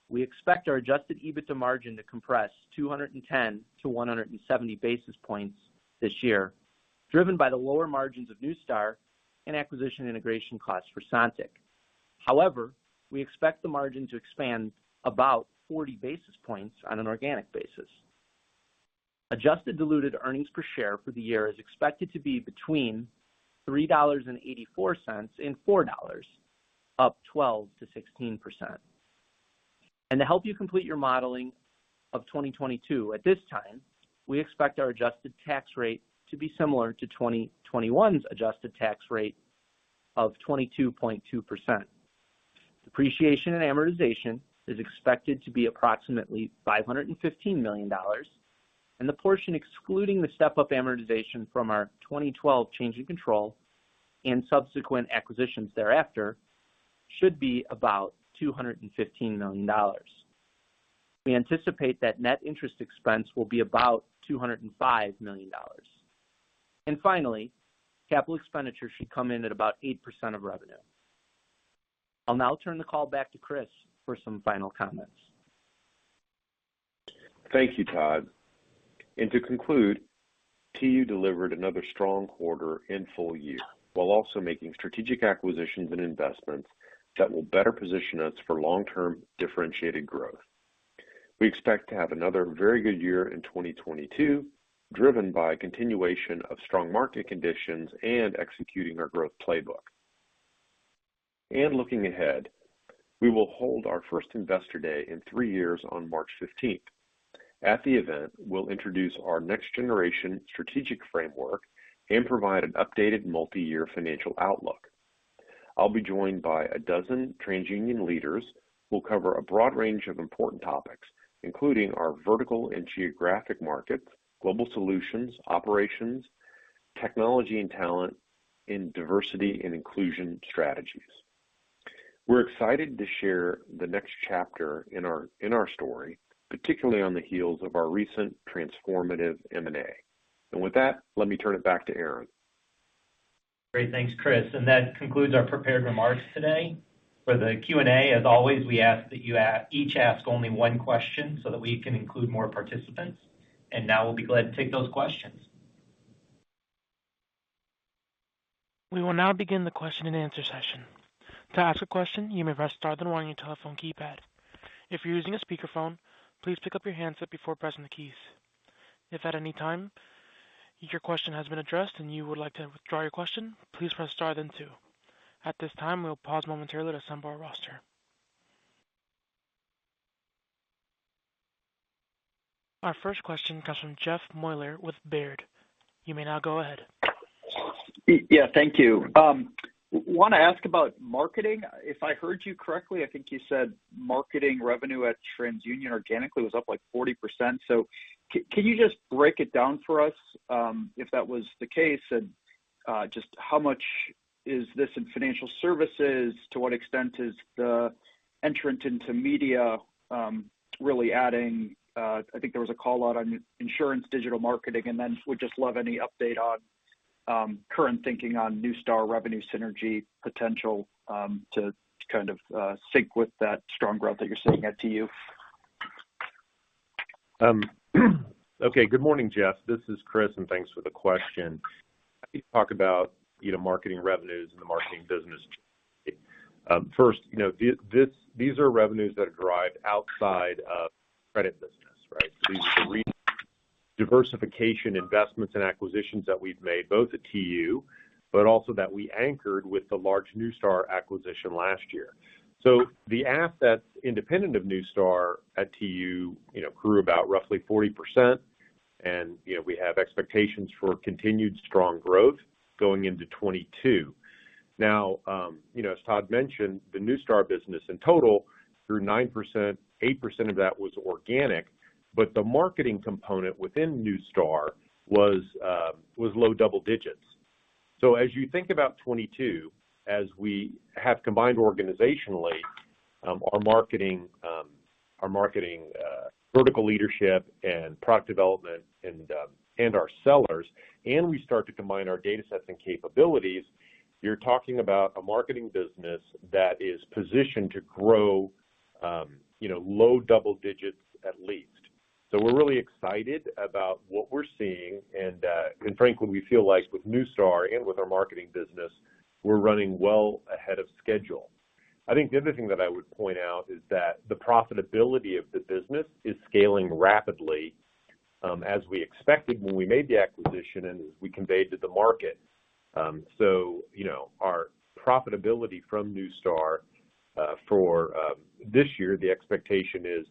We expect our adjusted EBITDA margin to compress 210-170 basis points this year, driven by the lower margins of Neustar and acquisition integration costs for Sontiq. However, we expect the margin to expand about 40 basis points on an organic basis. Adjusted diluted earnings per share for the year is expected to be between $3.84 and $4, up 12%-16%. To help you complete your modeling of 2022, at this time, we expect our adjusted tax rate to be similar to 2021's adjusted tax rate of 22.2%. Depreciation and amortization is expected to be approximately $515 million, and the portion excluding the step up amortization from our 2012 change in control and subsequent acquisitions thereafter should be about $215 million. We anticipate that net interest expense will be about $205 million. Finally, capital expenditures should come in at about 8% of revenue. I'll now turn the call back to Chris for some final comments. Thank you, Todd. To conclude, TU delivered another strong quarter in full year, while also making strategic acquisitions and investments that will better position us for long-term differentiated growth. We expect to have another very good year in 2022, driven by continuation of strong market conditions and executing our growth playbook. Looking ahead, we will hold our first investor day in three years on March 15th. At the event, we'll introduce our next generation strategic framework and provide an updated multi-year financial outlook. I'll be joined by a dozen TransUnion leaders who'll cover a broad range of important topics, including our vertical and geographic markets, global solutions, operations, technology and talent, and diversity and inclusion strategies. We're excited to share the next chapter in our story, particularly on the heels of our recent transformative M&A. With that, let me turn it back to Aaron. Great, thanks, Chris. That concludes our prepared remarks today. For the Q&A, as always, we ask that you each ask only one question so that we can include more participants. Now we'll be glad to take those questions. We will now begin the question-and -nswer session. To ask a question, you may press star then one on your telephone keypad. If you're using a speakerphone, please pick up your handset before pressing the keys. If at any time your question has been addressed and you would like to withdraw your question, please press star then two. At this time, we'll pause momentarily to assemble our roster. Our first question comes from Jeff Meuler with Baird. You may now go ahead. Yeah, thank you. Want to ask about marketing. If I heard you correctly, I think you said marketing revenue at TransUnion organically was up, like, 40%. Can you just break it down for us, if that was the case and just how much is this in financial services? To what extent is the entrant into media really adding, I think there was a call out on insurance, digital marketing, and then would just love any update on current thinking on Neustar revenue synergy potential, to kind of sync with that strong growth that you're seeing at TU. Okay. Good morning, Jeff. This is Chris, and thanks for the question. I think you talked about, you know, marketing revenues and the marketing business. First, you know, these are revenues that are derived outside of credit business, right? These are the diversification investments and acquisitions that we've made both at TU, but also that we anchored with the large Neustar acquisition last year. The assets independent of Neustar at TU, you know, grew about roughly 40%. You know, we have expectations for continued strong growth going into 2022. Now, you know, as Todd mentioned, the Neustar business in total grew 9%, 8% of that was organic, but the marketing component within Neustar was low double digits. As you think about 2022, as we have combined organizationally, our marketing vertical leadership and product development and our sellers, and we start to combine our datasets and capabilities, you're talking about a marketing business that is positioned to grow, you know, low double digits at least. We're really excited about what we're seeing and frankly, we feel like with Neustar and with our marketing business, we're running well ahead of schedule. I think the other thing that I would point out is that the profitability of the business is scaling rapidly, as we expected when we made the acquisition and as we conveyed to the market. You know, our profitability from Neustar for this year, the expectation is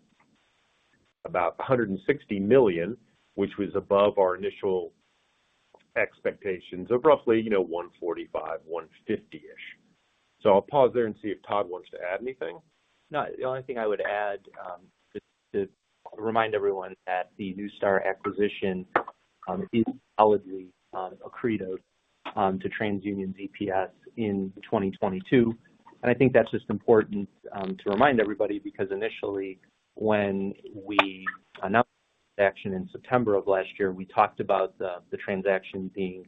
about $160 million, which was above our initial expectations of roughly, you know, $145 million-$150 million-ish. I'll pause there and see if Todd wants to add anything. No. The only thing I would add, just to remind everyone that the Neustar acquisition is solidly accretive to TransUnion's EPS in 2022. I think that's just important to remind everybody, because initially when we announced the transaction in September of last year, we talked about the transaction being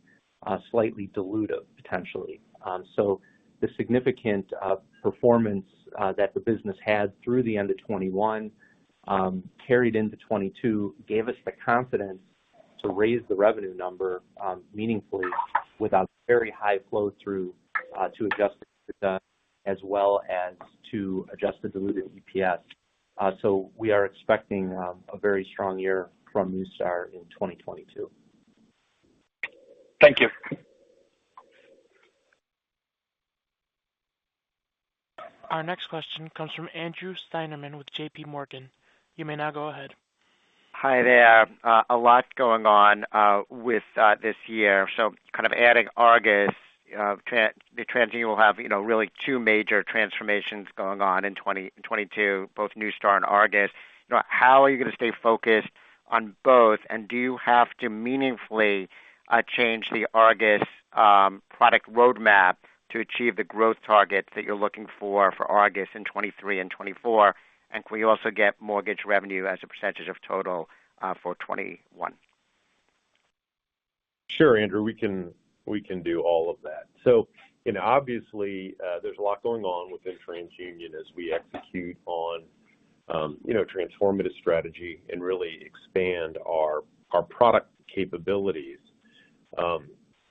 slightly dilutive, potentially. The significant performance that the business had through the end of 2021 carried into 2022, gave us the confidence to raise the revenue number meaningfully without very high flow-through to adjusted EBITDA as well as to adjusted diluted EPS. We are expecting a very strong year from Neustar in 2022. Thank you. Our next question comes from Andrew Steinerman with JPMorgan. You may now go ahead. Hi there. A lot going on with this year. Kind of adding Argus, TransUnion will have, you know, really two major transformations going on in 2022, both Neustar and Argus. You know, how are you gonna stay focused on both? Do you have to meaningfully change the Argus product roadmap to achieve the growth targets that you're looking for for Argus in 2023 and 2024? Can we also get mortgage revenue as a percentage of total for 2021? Sure, Andrew, we can do all of that. Obviously, there's a lot going on within TransUnion as we execute on transformative strategy and really expand our product capabilities.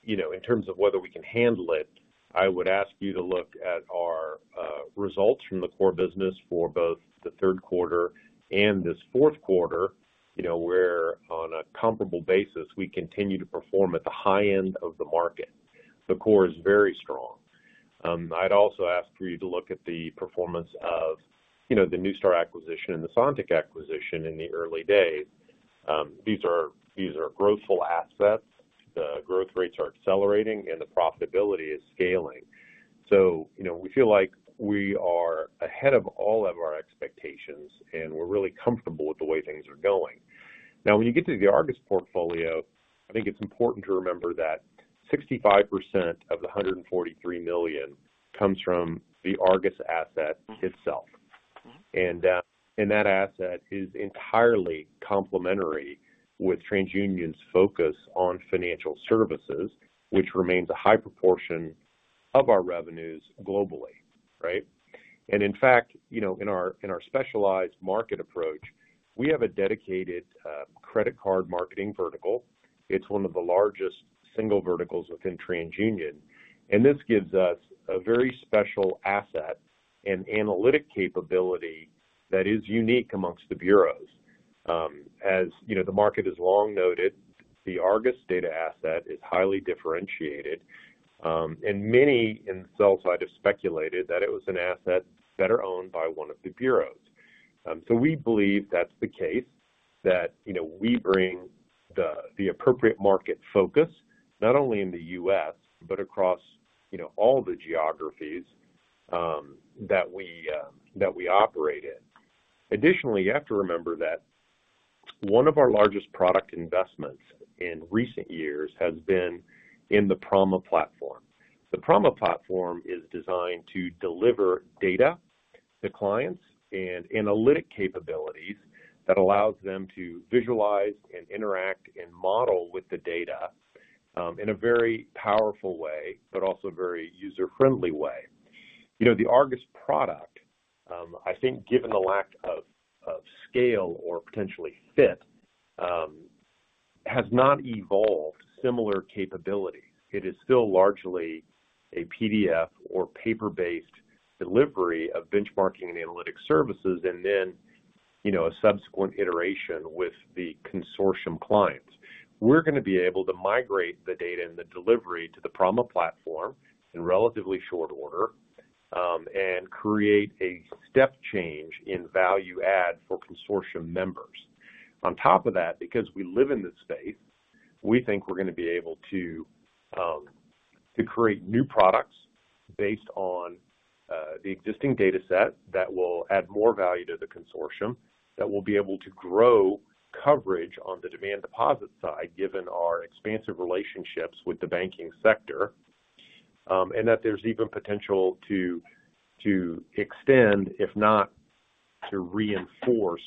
In terms of whether we can handle it, I would ask you to look at our results from the core business for both the third quarter and this fourth quarter, where on a comparable basis, we continue to perform at the high end of the market. The core is very strong. I'd also ask you to look at the performance of the Neustar acquisition and the Sontiq acquisition in the early days. These are growthful assets. The growth rates are accelerating and the profitability is scaling. You know, we feel like we are ahead of all of our expectations, and we're really comfortable with the way things are going. Now, when you get to the Argus portfolio, I think it's important to remember that 65% of the $143 million comes from the Argus asset itself. Mm-hmm. That asset is entirely complementary with TransUnion's focus on financial services, which remains a high proportion of our revenues globally, right? In fact, you know, in our specialized market approach, we have a dedicated credit card marketing vertical. It's one of the largest single verticals within TransUnion, and this gives us a very special asset and analytic capability that is unique amongst the bureaus. As you know, the market has long noted, the Argus data asset is highly differentiated, and many analysts have speculated that it was an asset better owned by one of the bureaus. We believe that's the case, that you know, we bring the appropriate market focus, not only in the U.S., but across, you know, all the geographies that we operate in. Additionally, you have to remember that one of our largest product investments in recent years has been in the Prama platform. The Prama platform is designed to deliver data to clients and analytic capabilities that allows them to visualize and interact and model with the data, in a very powerful way, but also very user-friendly way. You know, the Argus product, I think given the lack of scale or potentially fit, has not evolved similar capabilities. It is still largely a PDF or paper-based delivery of benchmarking and analytics services and then, you know, a subsequent iteration with the consortium clients. We're gonna be able to migrate the data and the delivery to the Prama platform in relatively short order, and create a step change in value add for consortium members. On top of that, because we live in this space, we think we're gonna be able to create new products based on the existing dataset that will add more value to the consortium, that will be able to grow coverage on the demand deposit side, given our expansive relationships with the banking sector. And that there's even potential to extend, if not to reinforce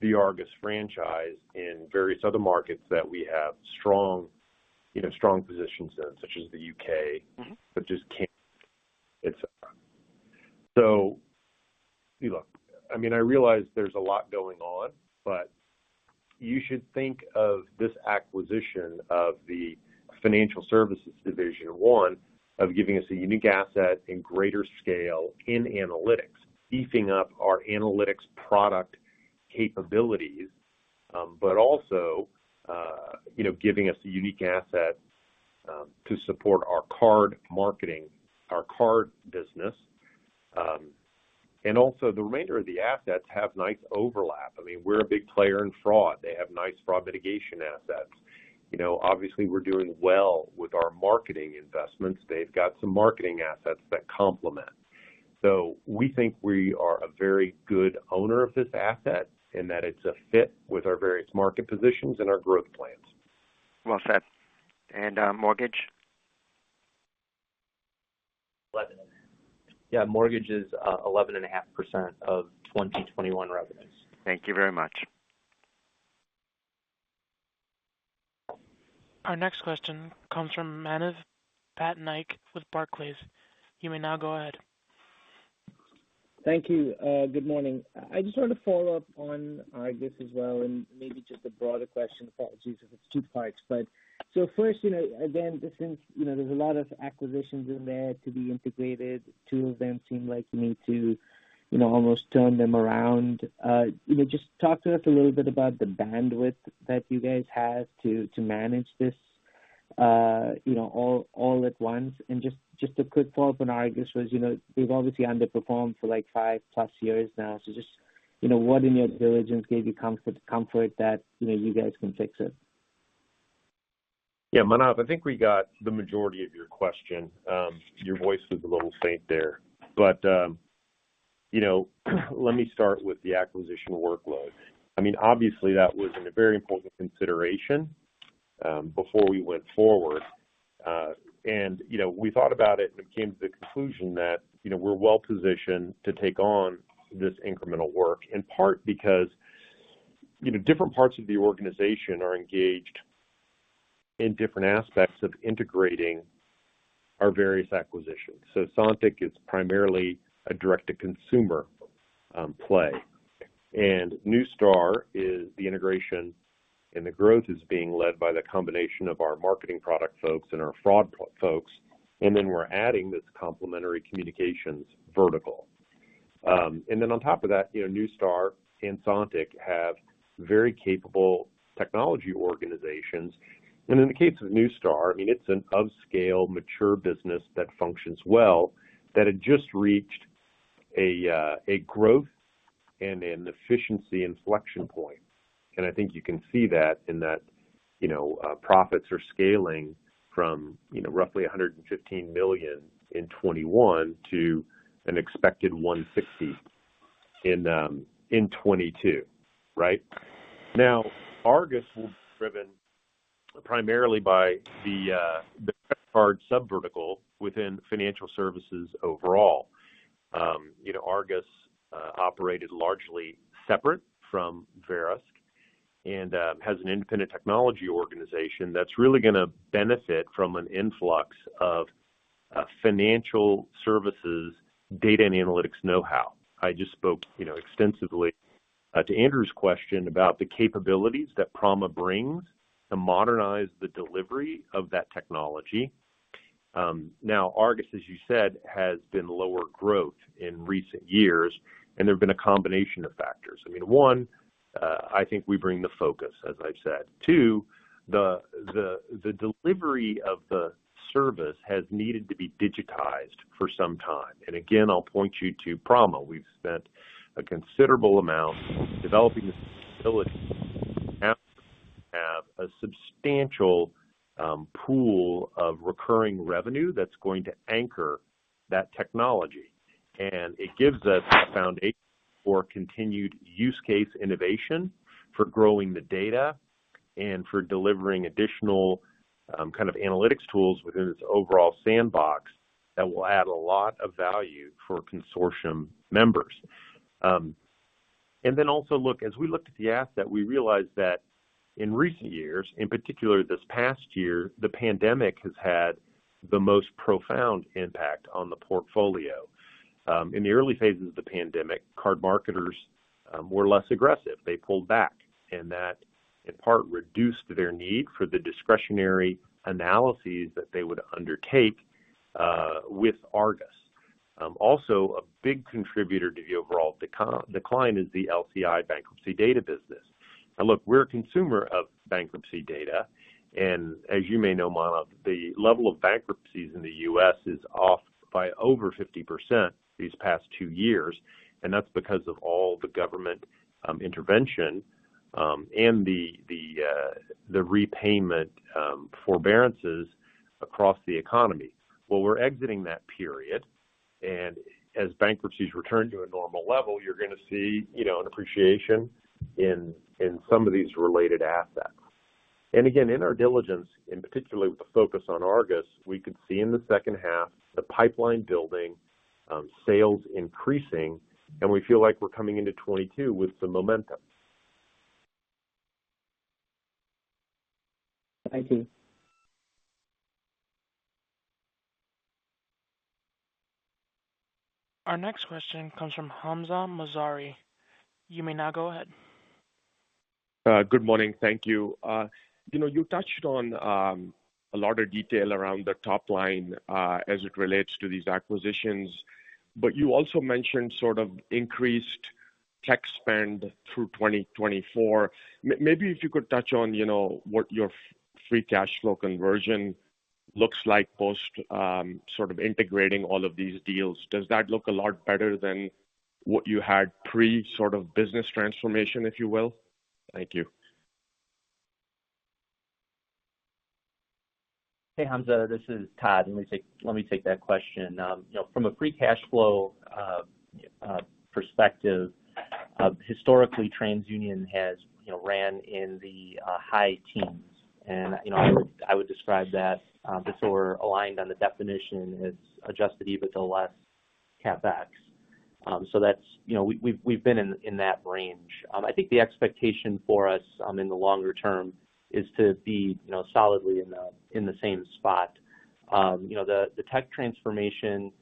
the Argus franchise in various other markets that we have strong, you know, positions in, such as the U.K. Mm-hmm You know, I mean, I realize there's a lot going on, but you should think of this acquisition of the financial services division, one, of giving us a unique asset in greater scale in analytics, beefing up our analytics product capabilities, but also, you know, giving us a unique asset, to support our card marketing, our card business. Also the remainder of the assets have nice overlap. I mean, we're a big player in fraud. They have nice fraud mitigation assets. You know, obviously we're doing well with our marketing investments. They've got some marketing assets that complement. We think we are a very good owner of this asset and that it's a fit with our various market positions and our growth plans. Well said. Mortgage? 11. Yeah, mortgage is 11.5% of 2021 revenues. Thank you very much. Our next question comes from Manav Patnaik with Barclays. You may now go ahead. Thank you. Good morning. I just wanted to follow up on Argus as well and maybe just a broader question. Apologies if it's two parts. First, you know, again, just since, you know, there's a lot of acquisitions in there to be integrated, two of them seem like you need to, you know, almost turn them around. You know, just talk to us a little bit about the bandwidth that you guys have to manage this, you know, all at once. Just a quick follow-up on Argus was, you know, we've obviously underperformed for like 5+ years now. Just, you know, what in your diligence gave you comfort that, you know, you guys can fix it? Yeah. Manav, I think we got the majority of your question. Your voice was a little faint there. You know, let me start with the acquisition workload. I mean, obviously that was a very important consideration, before we went forward. You know, we thought about it and came to the conclusion that, you know, we're well-positioned to take on this incremental work, in part because, you know, different parts of the organization are engaged in different aspects of integrating our various acquisitions. Sontiq is primarily a direct-to-consumer, play. Neustar is the integration, and the growth is being led by the combination of our marketing product folks and our fraud folks. Then we're adding this complementary communications vertical. Then on top of that, you know, Neustar and Sontiq have very capable technology organizations. In the case of Neustar, I mean, it's an upscale, mature business that functions well, that had just reached a growth and an efficiency inflection point. I think you can see that in that, you know, profits are scaling from, you know, roughly $115 million in 2021 to an expected $160 million in 2022. Right? Now, Argus was driven primarily by the credit card sub-vertical within financial services overall. You know, Argus operated largely separate from Verisk and has an independent technology organization that's really gonna benefit from an influx of financial services data and analytics know-how. I just spoke, you know, extensively to Andrew's question about the capabilities that Prama brings to modernize the delivery of that technology. Now Argus, as you said, has been lower growth in recent years, and there have been a combination of factors. I mean, one, I think we bring the focus, as I've said. Two, the delivery of the service has needed to be digitized for some time. Again, I'll point you to Prama. We've spent a considerable amount developing this facility. Now we have a substantial pool of recurring revenue that's going to anchor that technology. It gives us a foundation for continued use case innovation, for growing the data, and for delivering additional kind of analytics tools within its overall sandbox that will add a lot of value for consortium members. As we looked at the asset, we realized that in recent years, in particular this past year, the pandemic has had the most profound impact on the portfolio. In the early phases of the pandemic, card marketers were less aggressive. They pulled back, and that in part reduced their need for the discretionary analyses that they would undertake with Argus. Also a big contributor to the overall decline is the LCI bankruptcy data business. Now, look, we're a consumer of bankruptcy data, and as you may know, Manav, the level of bankruptcies in the U.S. is off by over 50% these past two years, and that's because of all the government intervention and the repayment forbearances across the economy. Well, we're exiting that period, and as bankruptcies return to a normal level, you're gonna see, you know, an appreciation in some of these related assets. Again, in our diligence, and particularly with the focus on Argus, we could see in the second half the pipeline building, sales increasing, and we feel like we're coming into 2022 with some momentum. Thank you. Our next question comes from Hamzah Mazari. You may now go ahead. Good morning. Thank you. You know, you touched on a lot of detail around the top line as it relates to these acquisitions, but you also mentioned sort of increased tech spend through 2024. Maybe if you could touch on, you know, what your free cash flow conversion looks like post sort of integrating all of these deals. Does that look a lot better than what you had pre sort of business transformation, if you will? Thank you. Hey, Hamzah, this is Todd. Let me take that question. You know, from a free cash flow perspective, historically, TransUnion has, you know, ran in the high teens. You know, I would describe that prior to aligning on the definition as adjusted EBITDA less CapEx. So that's. You know, we've been in that range. I think the expectation for us in the longer term is to be, you know, solidly in the same spot. You know, the tech transformation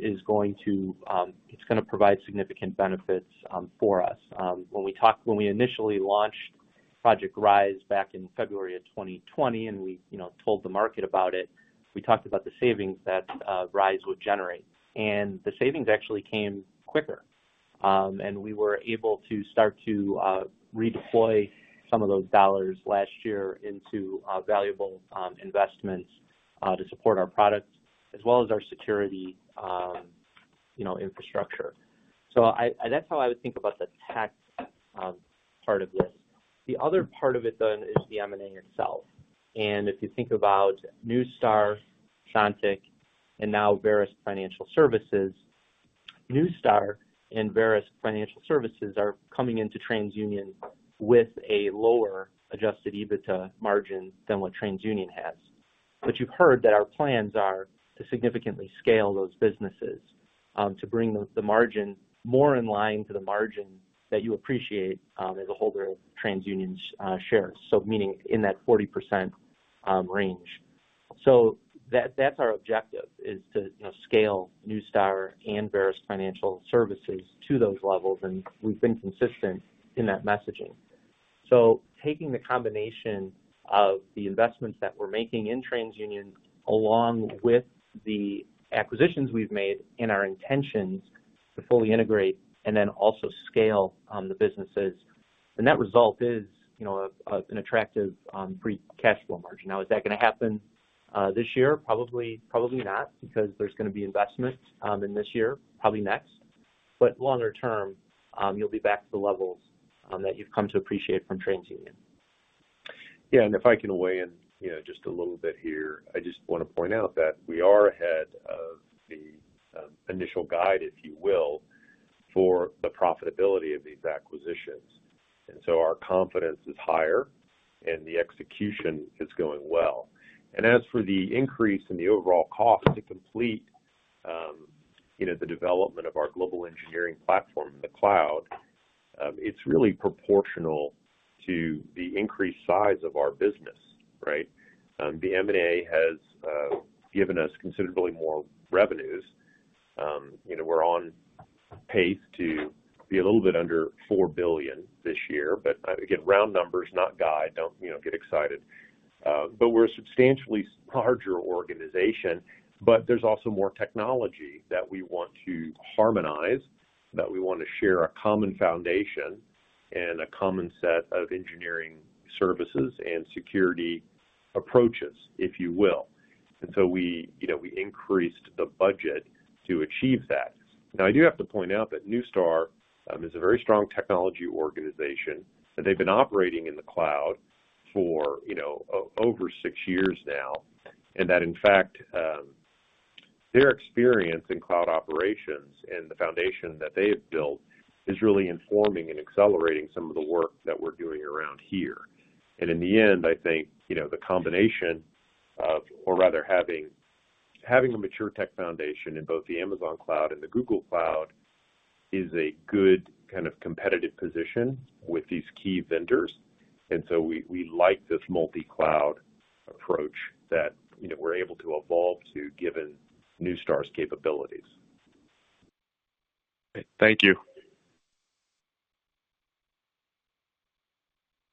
is going to provide significant benefits for us. When we initially launched Project Rise back in February of 2020 and we, you know, told the market about it, we talked about the savings that Rise would generate. The savings actually came quicker. We were able to start to redeploy some of those dollars last year into valuable investments to support our products as well as our security, you know, infrastructure. That's how I would think about the tech part of this. The other part of it, though, is the M&A itself. If you think about Neustar, Sontiq, and now Verisk Financial Services, Neustar and Verisk Financial Services are coming into TransUnion with a lower adjusted EBITDA margin than what TransUnion has. You've heard that our plans are to significantly scale those businesses, to bring the margin more in line to the margin that you appreciate, as a holder of TransUnion's shares, so meaning in that 40% range. That, that's our objective is to, you know, scale Neustar and Verisk Financial Services to those levels, and we've been consistent in that messaging. Taking the combination of the investments that we're making in TransUnion, along with the acquisitions we've made and our intentions to fully integrate and then also scale the businesses, the net result is, you know, an attractive free cash flow margin. Now, is that gonna happen this year? Probably not because there's gonna be investments in this year, probably next. Longer term, you'll be back to the levels that you've come to appreciate from TransUnion. Yeah. If I can weigh in, you know, just a little bit here. I just wanna point out that we are ahead of the initial guide, if you will, for the profitability of these acquisitions. Our confidence is higher, and the execution is going well. As for the increase in the overall cost to complete, you know, the development of our global engineering platform in the cloud, it's really proportional to the increased size of our business, right? The M&A has given us considerably more revenues. You know, we're on pace to be a little bit under $4 billion this year, but again, round numbers, not guide. Don't, you know, get excited. We're a substantially larger organization, but there's also more technology that we want to harmonize, that we wanna share a common foundation and a common set of engineering services and security approaches, if you will. We, you know, we increased the budget to achieve that. Now, I do have to point out that Neustar is a very strong technology organization, and they've been operating in the cloud for, you know, over six years now. That, in fact, their experience in cloud operations and the foundation that they have built is really informing and accelerating some of the work that we're doing around here. In the end, I think, you know, the combination of or rather having a mature tech foundation in both the Amazon cloud and the Google Cloud is a good kind of competitive position with these key vendors. We like this multi-cloud approach that, you know, we're able to evolve to given Neustar's capabilities. Thank you.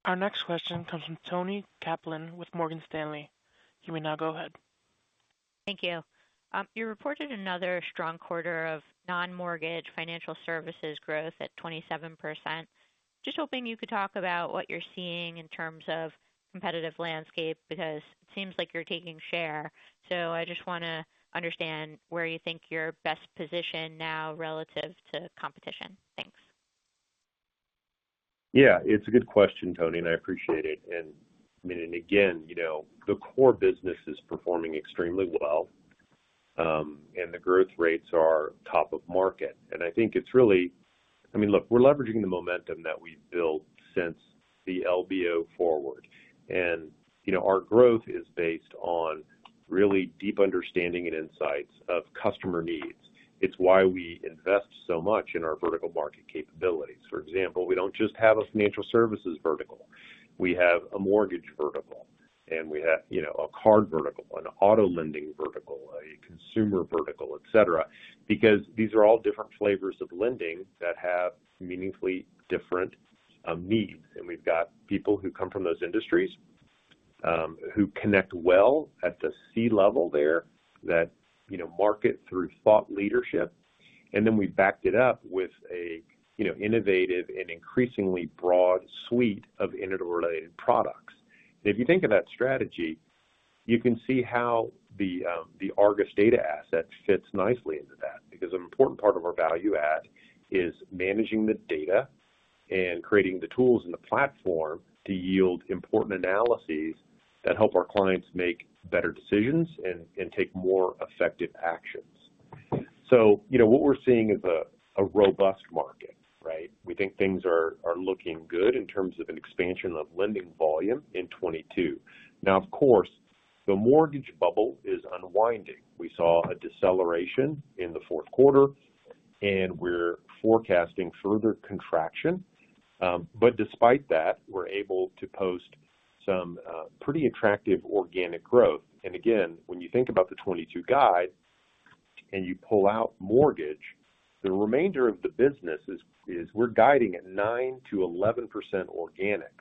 Our next question comes from Toni Kaplan with Morgan Stanley. You may now go ahead. Thank you. You reported another strong quarter of non-mortgage financial services growth at 27%. Just hoping you could talk about what you're seeing in terms of competitive landscape because it seems like you're taking share. I just wanna understand where you think you're best positioned now relative to competition. Thanks. Yeah. It's a good question, Toni, and I appreciate it. I mean, and again, you know, the core business is performing extremely well, and the growth rates are top of market. I think it's really. I mean, look, we're leveraging the momentum that we've built since the LBO forward. You know, our growth is based on really deep understanding and insights of customer needs. It's why we invest so much in our vertical market capabilities. For example, we don't just have a financial services vertical. We have a mortgage vertical, and we have, you know, a card vertical, an auto lending vertical, a consumer vertical, et cetera, because these are all different flavors of lending that have meaningfully different needs. We've got people who come from those industries, who connect well at the C-level there that, you know, market through thought leadership. We backed it up with a you know, innovative and increasingly broad suite of interrelated products. If you think of that strategy, you can see how the Argus data asset fits nicely into that because an important part of our value add is managing the data and creating the tools and the platform to yield important analyses that help our clients make better decisions and take more effective actions. You know, what we're seeing is a robust market, right? We think things are looking good in terms of an expansion of lending volume in 2022. Now, of course, the mortgage bubble is unwinding. We saw a deceleration in the fourth quarter, and we're forecasting further contraction. Despite that, we're able to post some pretty attractive organic growth. Again, when you think about the 2022 guide and you pull out mortgage, the remainder of the business is we're guiding at 9%-11% organic,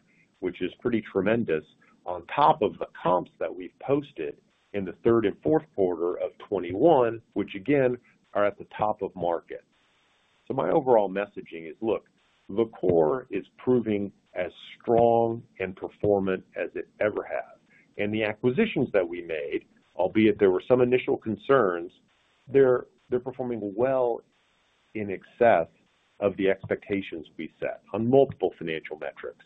which is pretty tremendous on top of the comps that we've posted in the third and fourth quarter of 2021, which again, are at the top of market. My overall messaging is, look, the core is proving as strong and performant as it ever has. The acquisitions that we made, albeit there were some initial concerns, they're performing well in excess of the expectations we set on multiple financial metrics.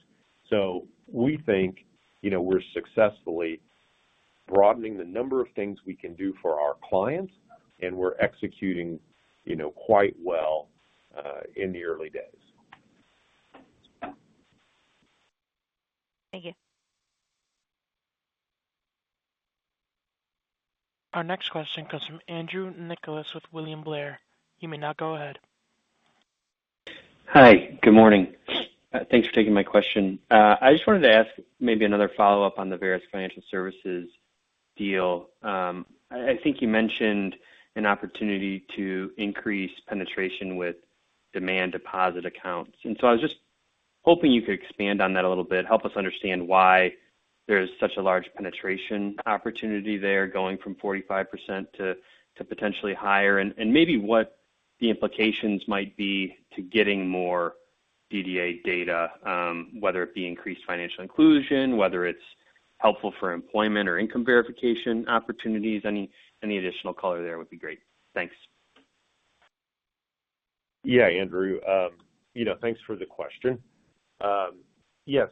We think, you know, we're successfully broadening the number of things we can do for our clients, and we're executing, you know, quite well in the early days. Thank you. Our next question comes from Andrew Nicholas with William Blair. You may now go ahead. Hi. Good morning. Thanks for taking my question. I just wanted to ask maybe another follow-up on the Verisk Financial Services deal. I think you mentioned an opportunity to increase penetration with demand deposit accounts. I was just hoping you could expand on that a little bit, help us understand why there's such a large penetration opportunity there going from 45% to potentially higher, and maybe what the implications might be to getting more DDA data, whether it be increased financial inclusion, whether it's helpful for employment or income verification opportunities. Any additional color there would be great. Thanks. Yeah, Andrew. You know, thanks for the question. Yeah.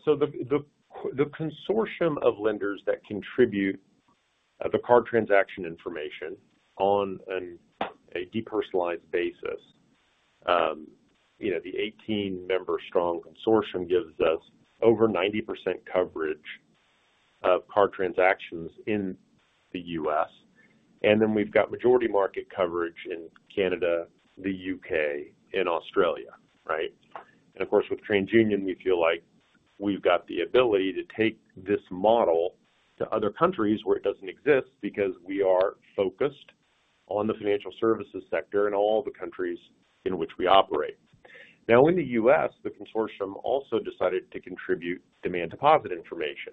The consortium of lenders that contribute the card transaction information on a depersonalized basis, you know, the 18-member-strong consortium gives us over 90% coverage of card transactions in the U.S. Then we've got majority market coverage in Canada, the U.K., and Australia, right? Of course, with TransUnion, we feel like we've got the ability to take this model to other countries where it doesn't exist because we are focused on the financial services sector in all the countries in which we operate. Now, in the U.S., the consortium also decided to contribute demand deposit information.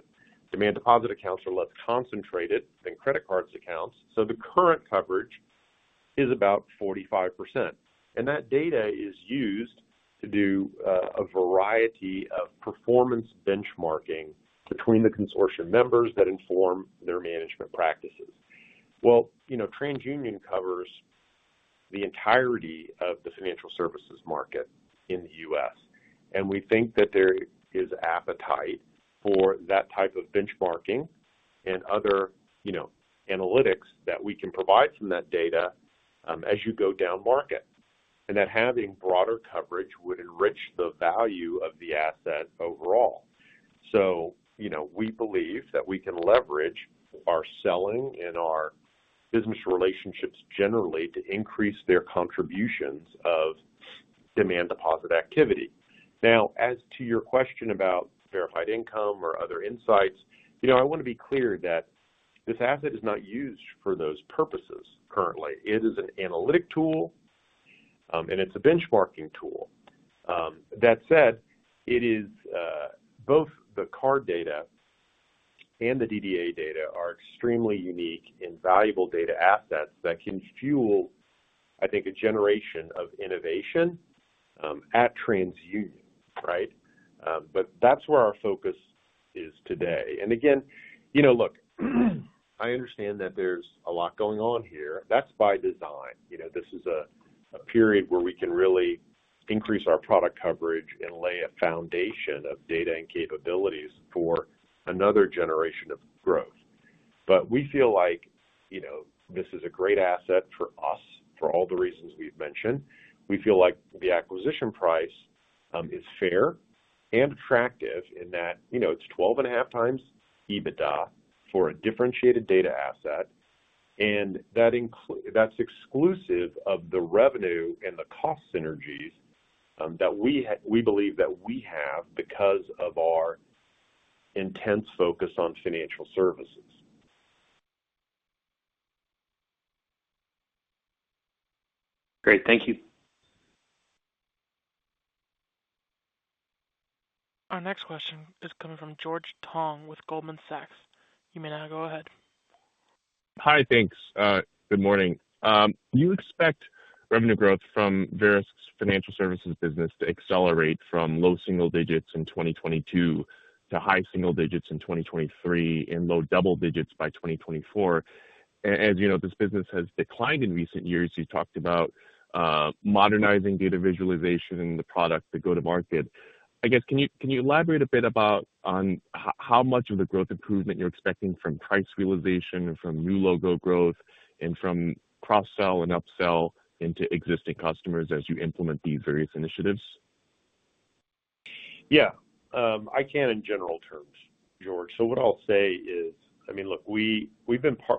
Demand deposit accounts are less concentrated than credit card accounts, so the current coverage is about 45%. That data is used to do a variety of performance benchmarking between the consortium members that inform their management practices. Well, you know, TransUnion covers the entirety of the financial services market in the U.S., and we think that there is appetite for that type of benchmarking and other, you know, analytics that we can provide from that data, as you go down market, and that having broader coverage would enrich the value of the asset overall. You know, we believe that we can leverage our selling and our business relationships generally to increase their contributions of demand deposit activity. Now, as to your question about verified income or other insights, you know, I wanna be clear that this asset is not used for those purposes currently. It is an analytic tool, and it's a benchmarking tool. That said, it is both the card data and the DDA data are extremely unique and valuable data assets that can fuel, I think, a generation of innovation at TransUnion, right? That's where our focus is today. Again, you know, look, I understand that there's a lot going on here. That's by design. You know, this is a period where we can really increase our product coverage and lay a foundation of data and capabilities for another generation of growth. We feel like, you know, this is a great asset for us for all the reasons we've mentioned. We feel like the acquisition price is fair and attractive in that, you know, it's 12.5x EBITDA for a differentiated data asset, and that's exclusive of the revenue and the cost synergies that we believe that we have because of our intense focus on financial services. Great. Thank you. Our next question is coming from George Tong with Goldman Sachs. You may now go ahead. Hi. Thanks. Good morning. You expect revenue growth from Verisk Financial Services to accelerate from low single digits in 2022 to high single digits in 2023 and low double digits by 2024. As you know, this business has declined in recent years. You talked about modernizing data visualization and the product to go to market. I guess, can you elaborate a bit on how much of the growth improvement you're expecting from price realization and from new logo growth and from cross-sell and upsell into existing customers as you implement these various initiatives? Yeah. I can in general terms, George. What I'll say is I mean, look, we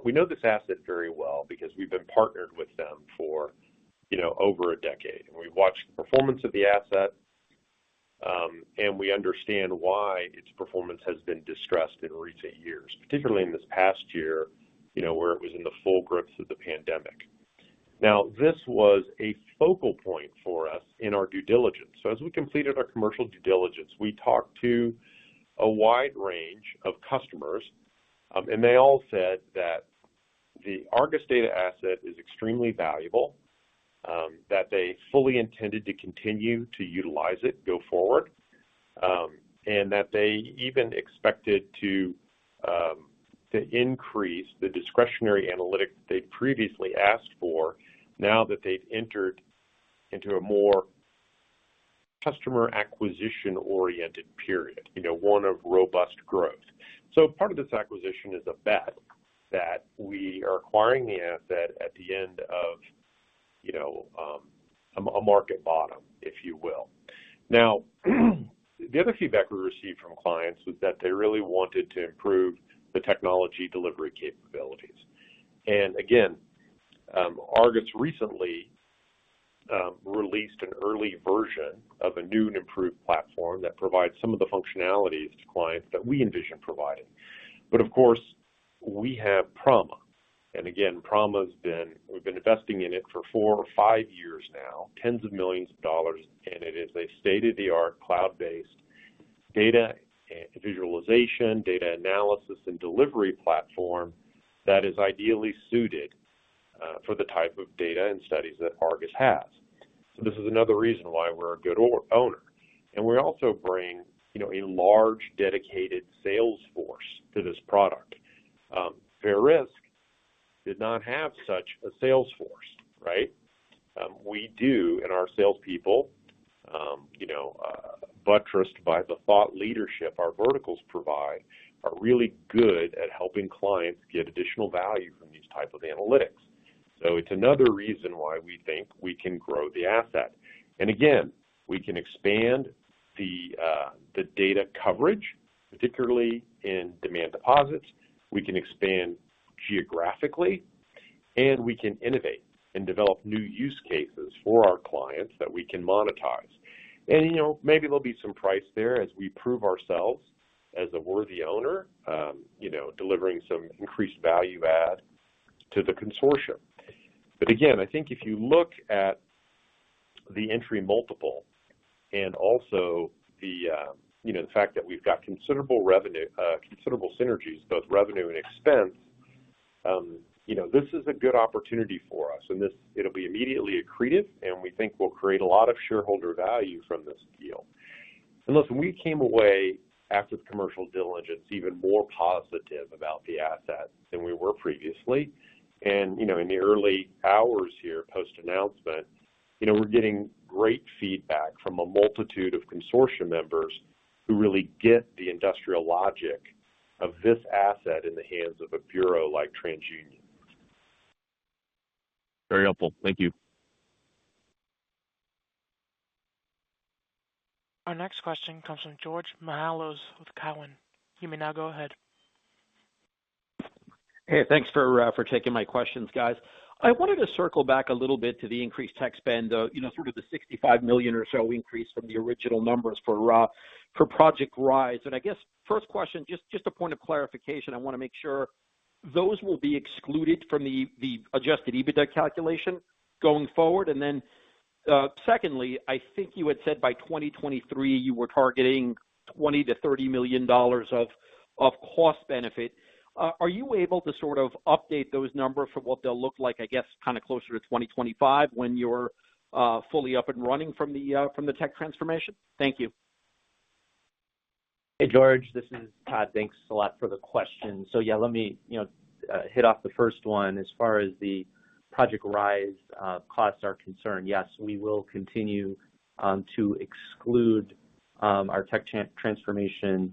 know this asset very well because we've been partnered with them for, you know, over a decade. We've watched the performance of the asset, and we understand why its performance has been distressed in recent years, particularly in this past year, you know, where it was in the full grips of the pandemic. This was a focal point for us in our due diligence. As we completed our commercial due diligence, we talked to a wide range of customers, and they all said that the Argus data asset is extremely valuable, that they fully intended to continue to utilize it go forward, and that they even expected to increase the discretionary analytic they'd previously asked for now that they've entered into a more customer acquisition-oriented period, you know, one of robust growth. Part of this acquisition is a bet that we are acquiring the asset at the end of, you know, a M&A market bottom, if you will. Now, the other feedback we received from clients was that they really wanted to improve the technology delivery capabilities. Again, Argus recently released an early version of a new and improved platform that provides some of the functionalities to clients that we envision providing. Of course, we have Prama. Again, Prama's been. We've been investing in it for four or five years now, tens of millions of dollars, and it is a state-of-the-art, cloud-based data and visualization, data analysis, and delivery platform that is ideally suited for the type of data and studies that Argus has. This is another reason why we're a good owner. We also bring, you know, a large dedicated sales force to this product. Verisk did not have such a sales force, right? We do, and our salespeople, you know, buttressed by the thought leadership our verticals provide, are really good at helping clients get additional value from these type of analytics. It's another reason why we think we can grow the asset. Again, we can expand the data coverage, particularly in demand deposits. We can expand geographically, and we can innovate and develop new use cases for our clients that we can monetize. You know, maybe there'll be some price there as we prove ourselves as a worthy owner, you know, delivering some increased value add to the consortium. Again, I think if you look at the entry multiple and also the, you know, the fact that we've got considerable synergies, both revenue and expense, you know, this is a good opportunity for us. This will be immediately accretive, and we think we'll create a lot of shareholder value from this deal. Listen, we came away after the commercial diligence even more positive about the asset than we were previously. you know, in the early hours here, post-announcement, you know, we're getting great feedback from a multitude of consortium members who really get the industrial logic of this asset in the hands of a bureau like TransUnion. Very helpful. Thank you. Our next question comes from George Mihalos with Cowen. You may now go ahead. Hey, thanks for taking my questions, guys. I wanted to circle back a little bit to the increased tech spend, you know, sort of the $65 million or so increase from the original numbers for Project Rise. I guess first question, just a point of clarification I wanna make sure Those will be excluded from the adjusted EBITDA calculation going forward. Secondly, I think you had said by 2023 you were targeting $20 million-$30 million of cost benefit. Are you able to sort of update those numbers for what they'll look like, I guess, kind of closer to 2025 when you're fully up and running from the tech transformation? Thank you. Hey, George, this is Todd. Thanks a lot for the question. Yeah, let me, you know, hit off the first one. As far as the Project Rise costs are concerned, yes, we will continue to exclude our tech transformation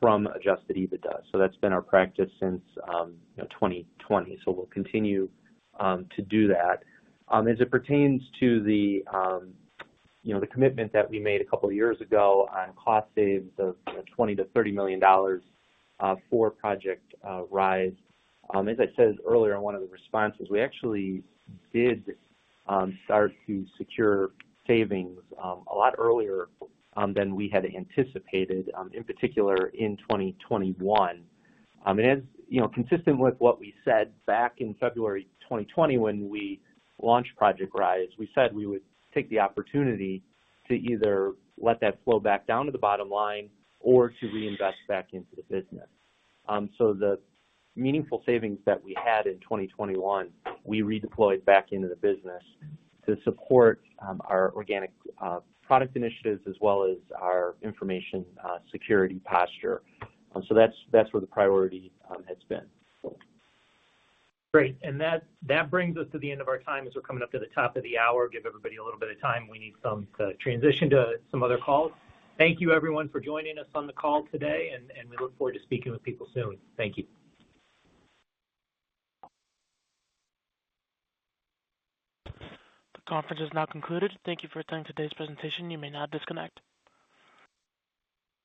from adjusted EBITDA. That's been our practice since, you know, 2020. We'll continue to do that. As it pertains to the, you know, the commitment that we made a couple of years ago on cost savings of $20 million-$30 million for Project Rise. As I said earlier in one of the responses, we actually did start to secure savings a lot earlier than we had anticipated, in particular in 2021. As you know, consistent with what we said back in February 2020 when we launched Project Rise, we said we would take the opportunity to either let that flow back down to the bottom line or to reinvest back into the business. The meaningful savings that we had in 2021, we redeployed back into the business to support our organic product initiatives as well as our information security posture. That's where the priority has been. Great. That brings us to the end of our time as we're coming up to the top of the hour. Give everybody a little bit of time. We need some transition to some other calls. Thank you, everyone, for joining us on the call today, and we look forward to speaking with people soon. Thank you. The conference is now concluded. Thank you for attending today's presentation. You may now disconnect.